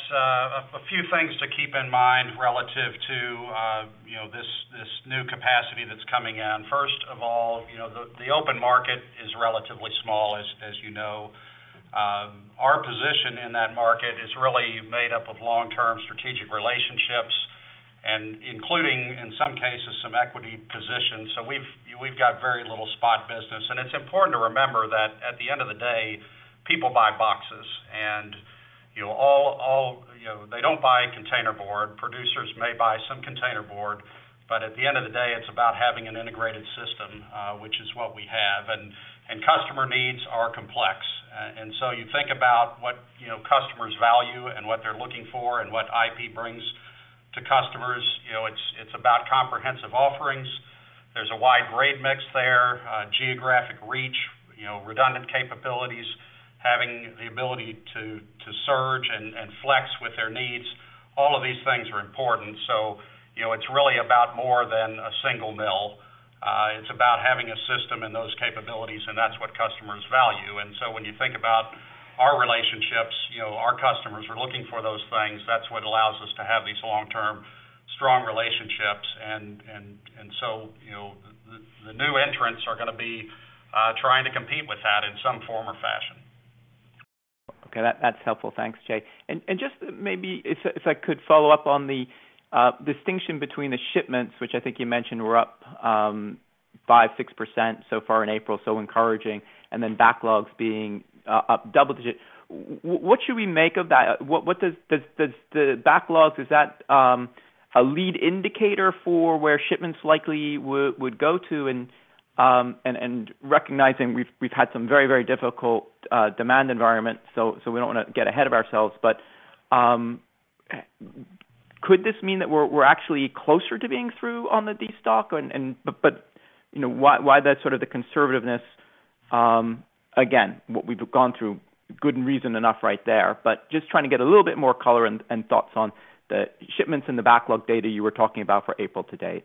a few things to keep in mind relative to you know, this new capacity that's coming in. First of all, you know, the open market is relatively small, as you know. Our position in that market is really made up of long-term strategic relationships and including, in some cases, some equity positions. We've got very little spot business. It's important to remember that at the end of the day, people buy boxes and, you know, all, you know, they don't buy containerboard. Producers may buy some containerboard, but at the end of the day, it's about having an integrated system, which is what we have. Customer needs are complex. You think about what, you know, customers value and what they're looking for and what IP brings to customers. You know, it's about comprehensive offerings. There's a wide grade mix there, geographic reach, you know, redundant capabilities, having the ability to surge and flex with their needs. All of these things are important. You know, it's really about more than a single mill. It's about having a system and those capabilities, and that's what customers value. When you think about our relationships, you know, our customers are looking for those things. That's what allows us to have these long-term, strong relationships. You know, the new entrants are gonna be trying to compete with that in some form or fashion. Okay, that's helpful. Thanks, Jay. Just maybe if I could follow up on the distinction between the shipments, which I think you mentioned were up 5%, 6% so far in April, so encouraging, and then backlogs being up double digits. What should we make of that? What does the backlogs, is that a lead indicator for where shipments likely would go to? Recognizing we've had some very difficult demand environment, so we don't wanna get ahead of ourselves. Could this mean that we're actually closer to being through on the destock? But, you know, why that's sort of the conservativeness, again, what we've gone through good and reason enough right there. Just trying to get a little bit more color and thoughts on the shipments and the backlog data you were talking about for April to date.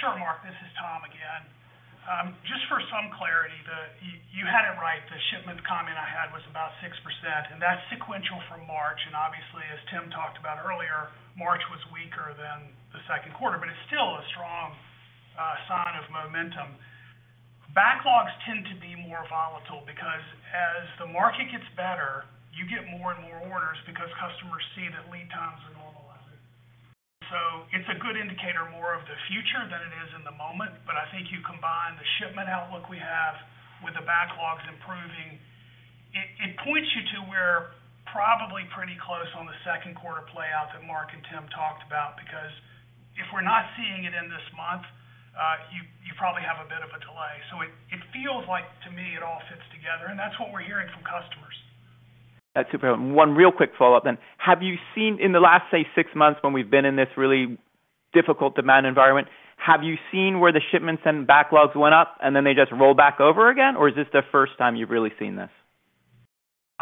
Sure, Mark. This is Tom again. Just for some clarity that you had it right. The shipment comment I had was about 6%, and that's sequential from March. Obviously, as Tim talked about earlier, March was weaker than the Q2, but it's still a strong sign of momentum. Backlogs tend to be more volatile because as the market gets better, you get more and more orders because customers see that lead times are normalizing. It's a good indicator more of the future than it is in the moment. I think you combine the shipment outlook we have with the backlogs including, We're probably pretty close on the Q2 playout that Mark and Tim talked about, because if we're not seeing it in this month, you probably have a bit of a delay. It feels like to me, it all fits together, and that's what we're hearing from customers. That's super. One real quick follow-up then. Have you seen in the last, say, six months when we've been in this really difficult demand environment, have you seen where the shipments and backlogs went up and then they just roll back over again? Is this the first time you've really seen this?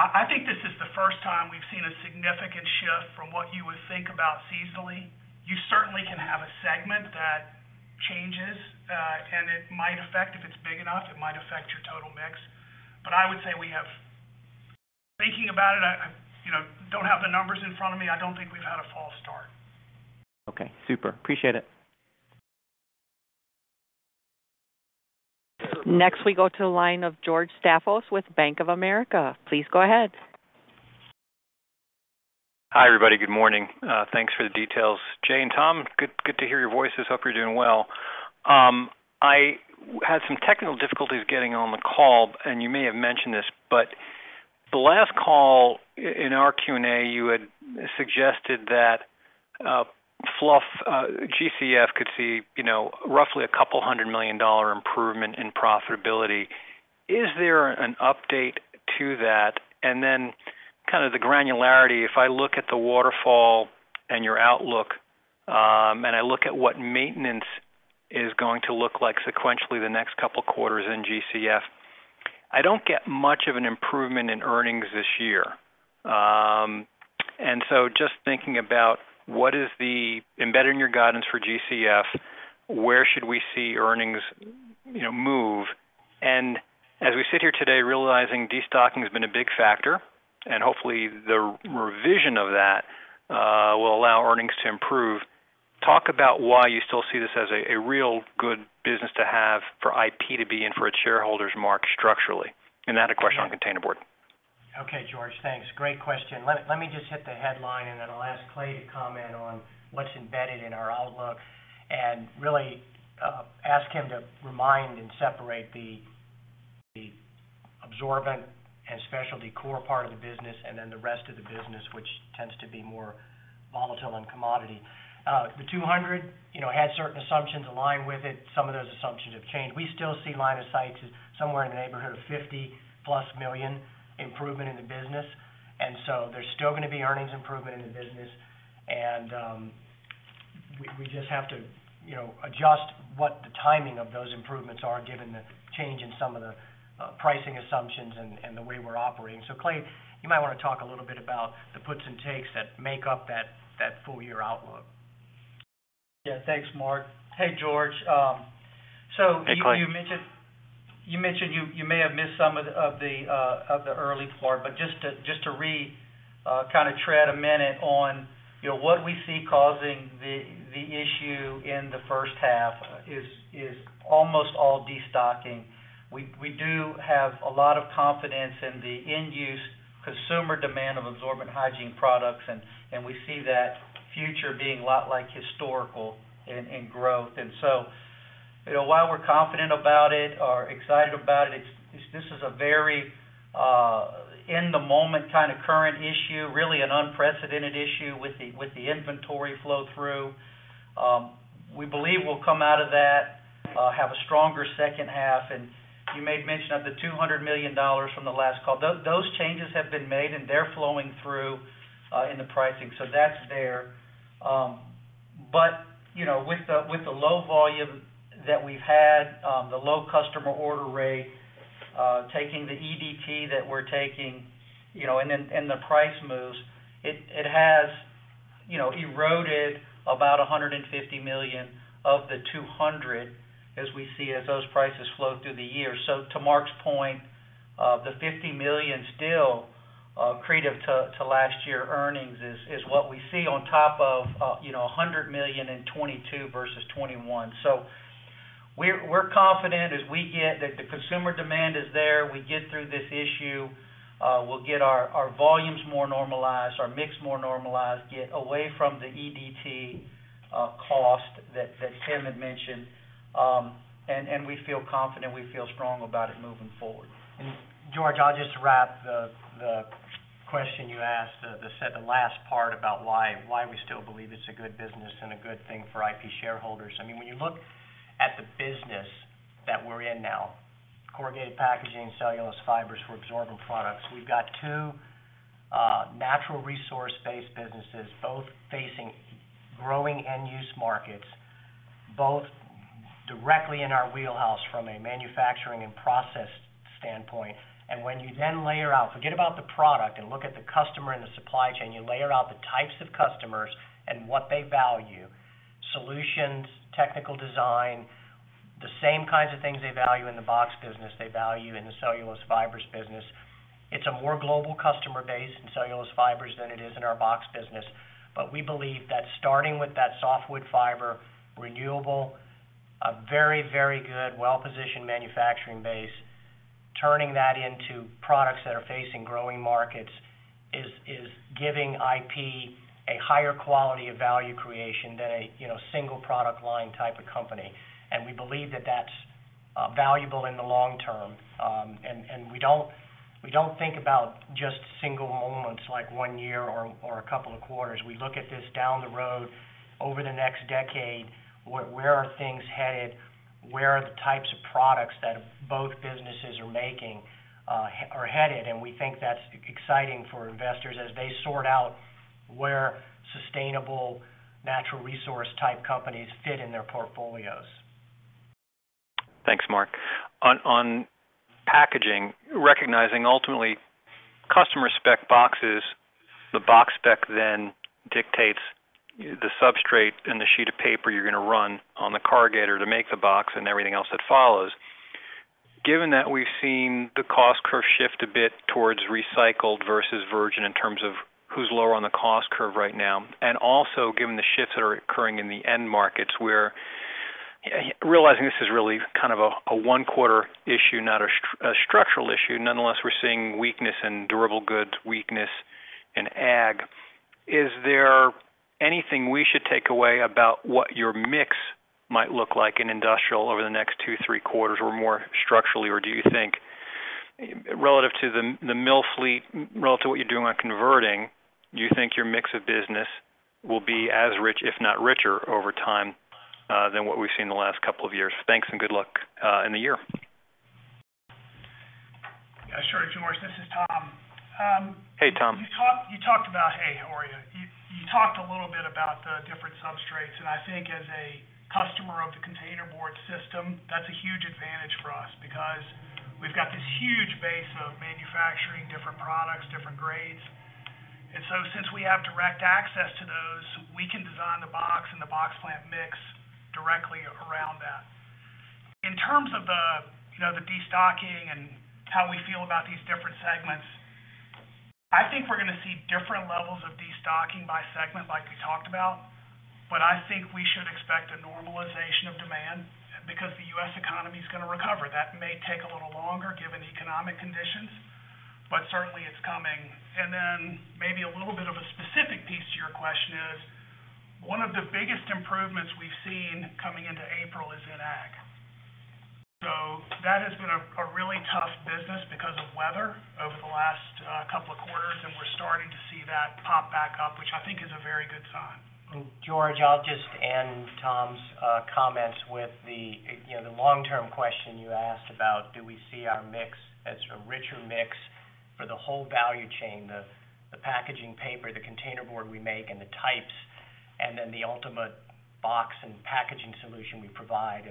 I think this is the first time we've seen a significant shift from what you would think about seasonally. You certainly can have a segment that changes, and it might affect, if it's big enough, it might affect your total mix. I would say we have. Thinking about it, I, you know, don't have the numbers in front of me. I don't think we've had a false start. Okay, super. Appreciate it. Next, we go to the line of George Staphos with Bank of America. Please go ahead. Hi, everybody. Good morning. Thanks for the details. Jay and Tom, good to hear your voices. Hope you're doing well. I had some technical difficulties getting on the call, and you may have mentioned this, but the last call in our Q&A, you had suggested that fluff, GCF could see, you know, roughly a $200 million improvement in profitability. Is there an update to that? Kind of the granularity, if I look at the waterfall and your outlook, and I look at what maintenance is going to look like sequentially the next couple quarters in GCF, I don't get much of an improvement in earnings this year. Just thinking about what is the Embedding your guidance for GCF, where should we see earnings, you know, move? As we sit here today realizing destocking has been a big factor, and hopefully the revision of that will allow earnings to improve. Talk about why you still see this as a real good business to have for IP to be in for its shareholders, Mark, structurally. That a question on containerboard. Okay, George. Thanks. Great question. Let me just hit the headline, and then I'll ask Clay to comment on what's embedded in our outlook and really ask him to remind and separate the absorbent and specialty core part of the business, and then the rest of the business, which tends to be more volatile than commodity. The 200, you know, had certain assumptions aligned with it. Some of those assumptions have changed. We still see line of sight to somewhere in the neighbourhood of $50+ million improvement in the business. There's still gonna be earnings improvement in the business. We just have to, you know, adjust what the timing of those improvements are given the change in some of the pricing assumptions and the way we're operating. Clay, you might wanna talk a little bit about the puts and takes that make up that full year outlook. Yeah. Thanks, Mark. Hey, George, Hey, Clay. You mentioned you may have missed some of the early part, but just to kind of tread a minute on, you know, what we see causing the issue in the H1 is almost all destocking. We do have a lot of confidence in the end-use consumer demand of absorbent hygiene products, and we see that future being a lot like historical in growth. So, you know, while we're confident about it or excited about it, this is a very in the moment kind of current issue, really an unprecedented issue with the inventory flow through. We believe we'll come out of that, have a stronger H2. You made mention of the $200 million from the last call. Those changes have been made, and they're flowing through, in the pricing. That's there. You know, with the low volume that we've had, the low customer order rate, taking the EDT that we're taking, the price moves, it has eroded about $150 million of the $200 as we see as those prices flow through the year. To Mark's point, the $50 million still accretive to last year earnings is what we see on top of $100 million in 2022 versus 2021. We're confident as we get... That the consumer demand is there, we get through this issue, we'll get our volumes more normalized, our mix more normalized, get away from the EDT cost that Tim had mentioned. We feel confident, we feel strong about it moving forward. George, I'll just wrap the question you asked, the last part about why we still believe it's a good business and a good thing for IP shareholders. I mean, when you look at the business that we're in now, corrugated packaging, cellulose fibers for absorbent products, we've got two natural resource-based businesses, both facing growing end-use markets, both directly in our wheelhouse from a manufacturing and process standpoint. When you then layer out, forget about the product and look at the customer and the supply chain, you layer out the types of customers and what they value: solutions, technical design, the same kinds of things they value in the box business, they value in the cellulose fibers business. It's a more global customer base in cellulose fibers than it is in our box business. We believe that starting with that softwood fiber, renewable, a very, very good, well-positioned manufacturing base, turning that into products that are facing growing markets is giving IP a higher quality of value creation than a, you know, single product line type of company. We believe that that's valuable in the long term. We don't think about just single moments like one year or a couple of quarters. We look at this down the road over the next decade, where are things headed? Where are the types of products that both businesses are making, are headed? We think that's exciting for investors as they sort out where sustainable natural resource type companies fit in their portfolios. Thanks, Mark. On packaging, recognizing ultimately customer spec boxes, the box spec then dictates the substrate and the sheet of paper you're going to run on the corrugator to make the box and everything else that follows. Given that we've seen the cost curve shift a bit towards recycled versus virgin in terms of who's lower on the cost curve right now, and also given the shifts that are occurring in the end markets where, realizing this is really kind of a one quarter issue, not a structural issue. Nonetheless, we're seeing weakness in durable goods, weakness in ag. Is there anything we should take away about what your mix might look like in industrial over the next two, three quarters or more structurally? Do you think relative to the mill fleet, relative to what you're doing on converting, do you think your mix of business will be as rich, if not richer, over time, than what we've seen in the last couple of years? Thanks. Good luck in the year. Yeah, sure, George. This is Tom. Hey, Tom. You talked about. Hey, how are you? You talked a little bit about the different substrates, and I think as a customer of the containerboard system, that's a huge advantage for us because we've got this huge base of manufacturing different products, different grades. Since we have direct access to those, we can design the box and the box plant mix directly around that. In terms of the, you know, the destocking and how we feel about these different segments, I think we're gonna see different levels of destocking by segment like we talked about. I think we should expect a normalization of demand because the U.S. economy is gonna recover. That may take a little longer given economic conditions, but certainly it's coming. Maybe a little bit of a specific piece to your question is, one of the biggest improvements we've seen coming into April is in ag. That has been a really tough business because of weather over the last couple of quarters, and we're starting to see that pop back up, which I think is a very good sign. George, I'll just end Tom's comments with the, you know, the long-term question you asked about do we see our mix as a richer mix for the whole value chain, the packaging paper, the containerboard we make and the types, and then the ultimate box and packaging solution we provide.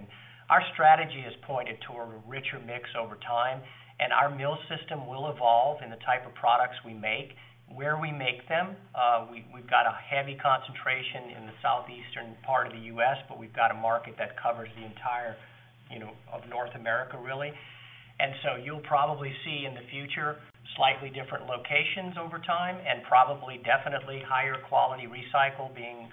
Our strategy is pointed to a richer mix over time, and our mill system will evolve in the type of products we make. Where we make them, we've got a heavy concentration in the southeastern part of the U.S., but we've got a market that covers the entire, you know, of North America, really. You'll probably see in the future, slightly different locations over time and probably definitely higher quality recycle being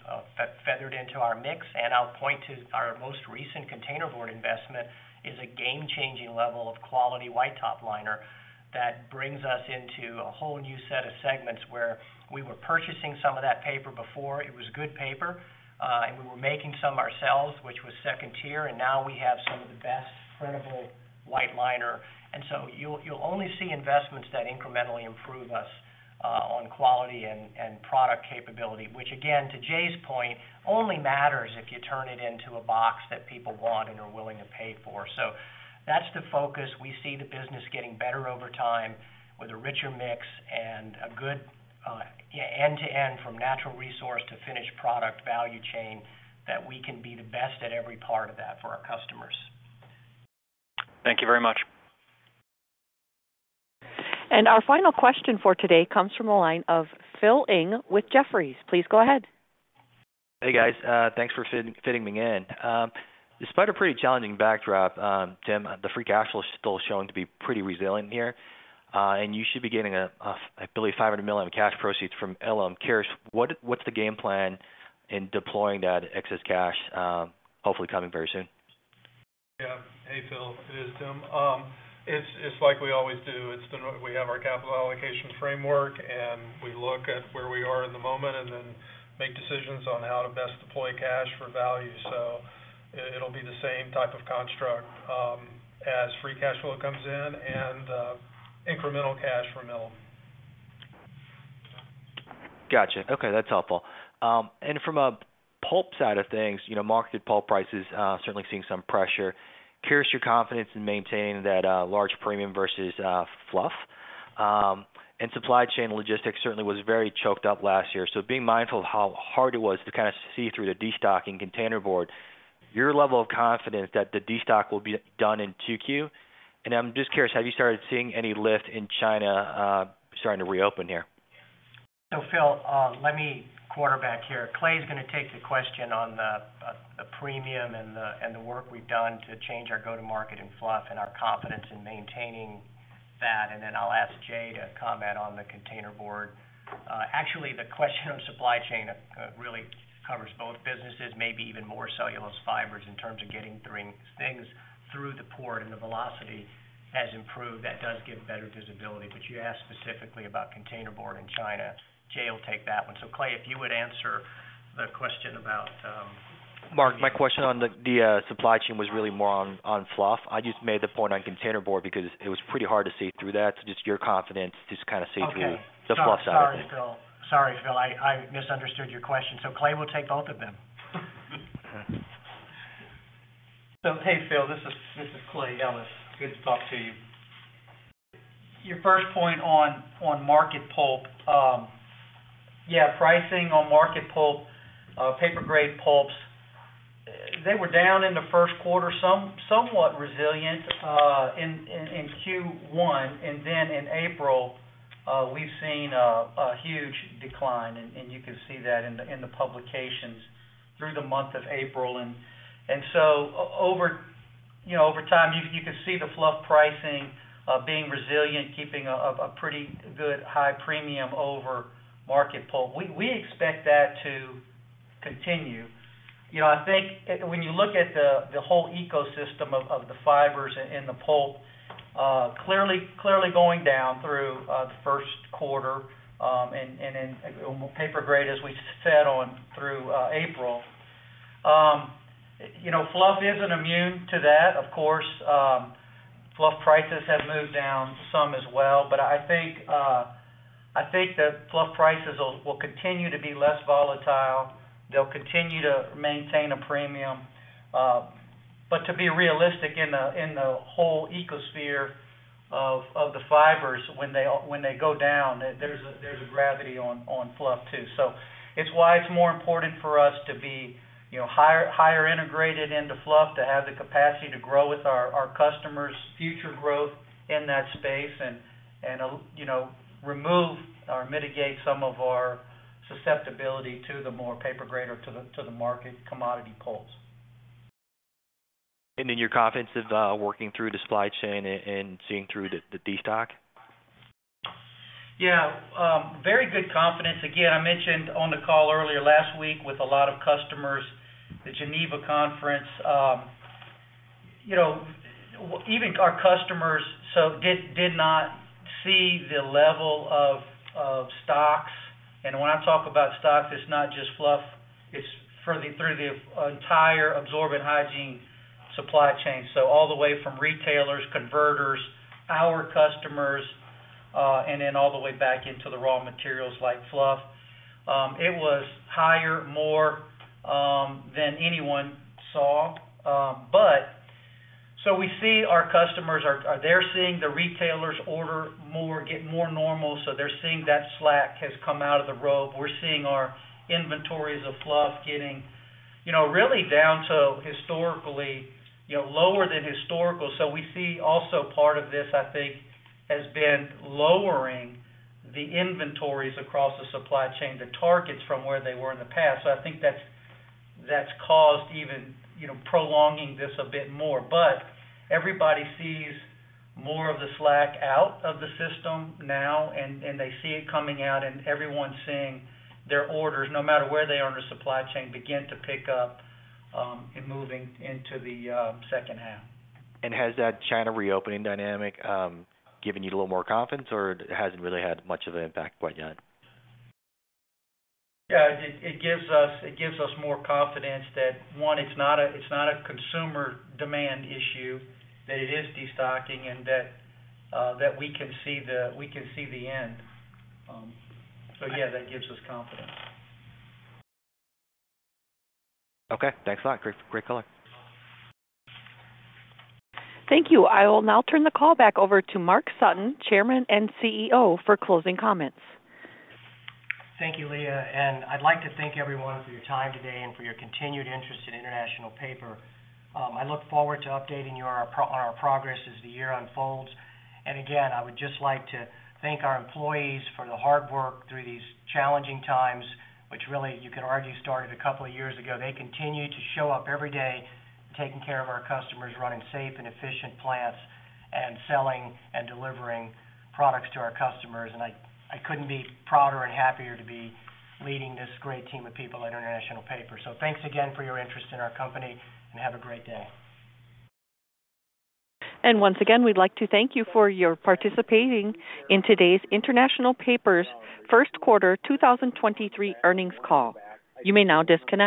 feathered into our mix. I'll point to our most recent containerboard investment is a game-changing level of quality white top liner that brings us into a whole new set of segments where we were purchasing some of that paper before. It was good paper, and we were making some ourselves, which was second tier, and now we have some of the best printable white liner. You'll only see investments that incrementally improve us on quality and product capability, which again, to Jay's point, only matters if you turn it into a box that people want and are willing to pay for. That's the focus. We see the business getting better over time with a richer mix and a good end-to-end from natural resource to finished product value chain that we can be the best at every part of that for our customers. Thank you very much. Our final question for today comes from the line of Phil Ng with Jefferies. Please go ahead. Hey, guys. Thanks for fitting me in. Despite a pretty challenging backdrop, Tim, the free cash flow is still showing to be pretty resilient here. You should be getting I believe $500 million cash proceeds from llim. Curious, what's the game plan in deploying that excess cash, hopefully coming very soon? Yeah. Hey, Phil, it is Tim. It's like we always do. We have our capital allocation framework, and we look at where we are in the moment and then make decisions on how to best deploy cash for value. It'll be the same type of construct, as free cash flow comes in and incremental cash from Ilim. Gotcha. Okay. That's helpful. From a pulp side of things, you know, marketed pulp prices, certainly seeing some pressure. Curious your confidence in maintaining that large premium versus fluff? Supply chain logistics certainly was very choked up last year. Being mindful of how hard it was to kind of see through the destocking containerboard, your level of confidence that the destock will be done in Q2? I'm just curious, have you started seeing any lift in China, starting to reopen here? Phil, let me quarterback here. Clay is gonna take the question on the premium and the work we've done to change our go-to-market in fluff and our confidence in maintaining that. Then I'll ask Jay to comment on the containerboard. Actually, the question of supply chain really covers both businesses, maybe even more cellulose fibers in terms of getting things through the port and the velocity has improved. That does give better visibility. You asked specifically about containerboard in China. Jay will take that one. Clay, if you would answer The question about, Mark, my question on the supply chain was really more on fluff. I just made the point on containerboard because it was pretty hard to see through that. Just your confidence, kinda see through. Okay. the fluff side of things. Sorry, Phil. Sorry, Phil, I misunderstood your question, Clay will take both of them. Hey, Phil, this is Clay Ellis. Good to talk to you. Your first point on market pulp, yeah, pricing on market pulp, paper-grade pulps, they were down in the Q1, somewhat resilient in Q1, and then in April, we've seen a huge decline, and you can see that in the publications through the month of April. Over, you know, over time, you can see the fluff pricing being resilient, keeping a pretty good high premium over market pulp. We expect that to continue. You know, I think when you look at the whole ecosystem of the fibers and the pulp, clearly going down through the Q1, and in paper grade, as we said on through April. You know, fluff isn't immune to that, of course. Fluff prices have moved down some as well. I think, I think the fluff prices will continue to be less volatile. They'll continue to maintain a premium. To be realistic, in the whole ecosphere of the fibers, when they go down, there's a gravity on fluff, too. It's why it's more important for us to be, you know, higher integrated into fluff to have the capacity to grow with our customers' future growth in that space and, you know, remove or mitigate some of our susceptibility to the more paper grade or to the market commodity pulps. You're confident of working through the supply chain and seeing through the destock? Yeah, very good confidence. Again, I mentioned on the call earlier last week with a lot of customers, the Geneva Conference, you know, even our customers, did not see the level of stocks. When I talk about stocks, it's not just fluff. It's through the entire absorbent hygiene supply chain. All the way from retailers, converters, our customers, and then all the way back into the raw materials like fluff. It was higher, more than anyone saw. So we see our customers are, they're seeing the retailers order more, get more normal, so they're seeing that slack has come out of the rope. We're seeing our inventories of fluff getting, you know, really down to historically, you know, lower than historical. We see also part of this, I think, has been lowering the inventories across the supply chain to targets from where they were in the past. I think that's caused even, you know, prolonging this a bit more. Everybody sees more of the slack out of the system now, and they see it coming out and everyone's seeing their orders, no matter where they are in the supply chain, begin to pick up in moving into the H2. Has that China reopening dynamic given you a little more confidence, or it hasn't really had much of an impact quite yet? Yeah, it gives us more confidence that, one, it's not a consumer demand issue, that it is destocking and that we can see the end. Yeah, that gives us confidence. Okay, thanks a lot. Great, great color. Thank you. I will now turn the call back over to Mark Sutton, Chairman and CEO, for closing comments. Thank you, Leah. I'd like to thank everyone for your time today and for your continued interest in International Paper. I look forward to updating you on our progress as the year unfolds. Again, I would just like to thank our employees for the hard work through these challenging times, which really you can argue started a couple of years ago. They continue to show up every day, taking care of our customers, running safe and efficient plants, and selling and delivering products to our customers. I couldn't be prouder and happier to be leading this great team of people at International Paper. Thanks again for your interest in our company, and have a great day. Once again, we'd like to thank you for your participating in today's International Paper's Q1 2023 earnings call. You may now disconnect.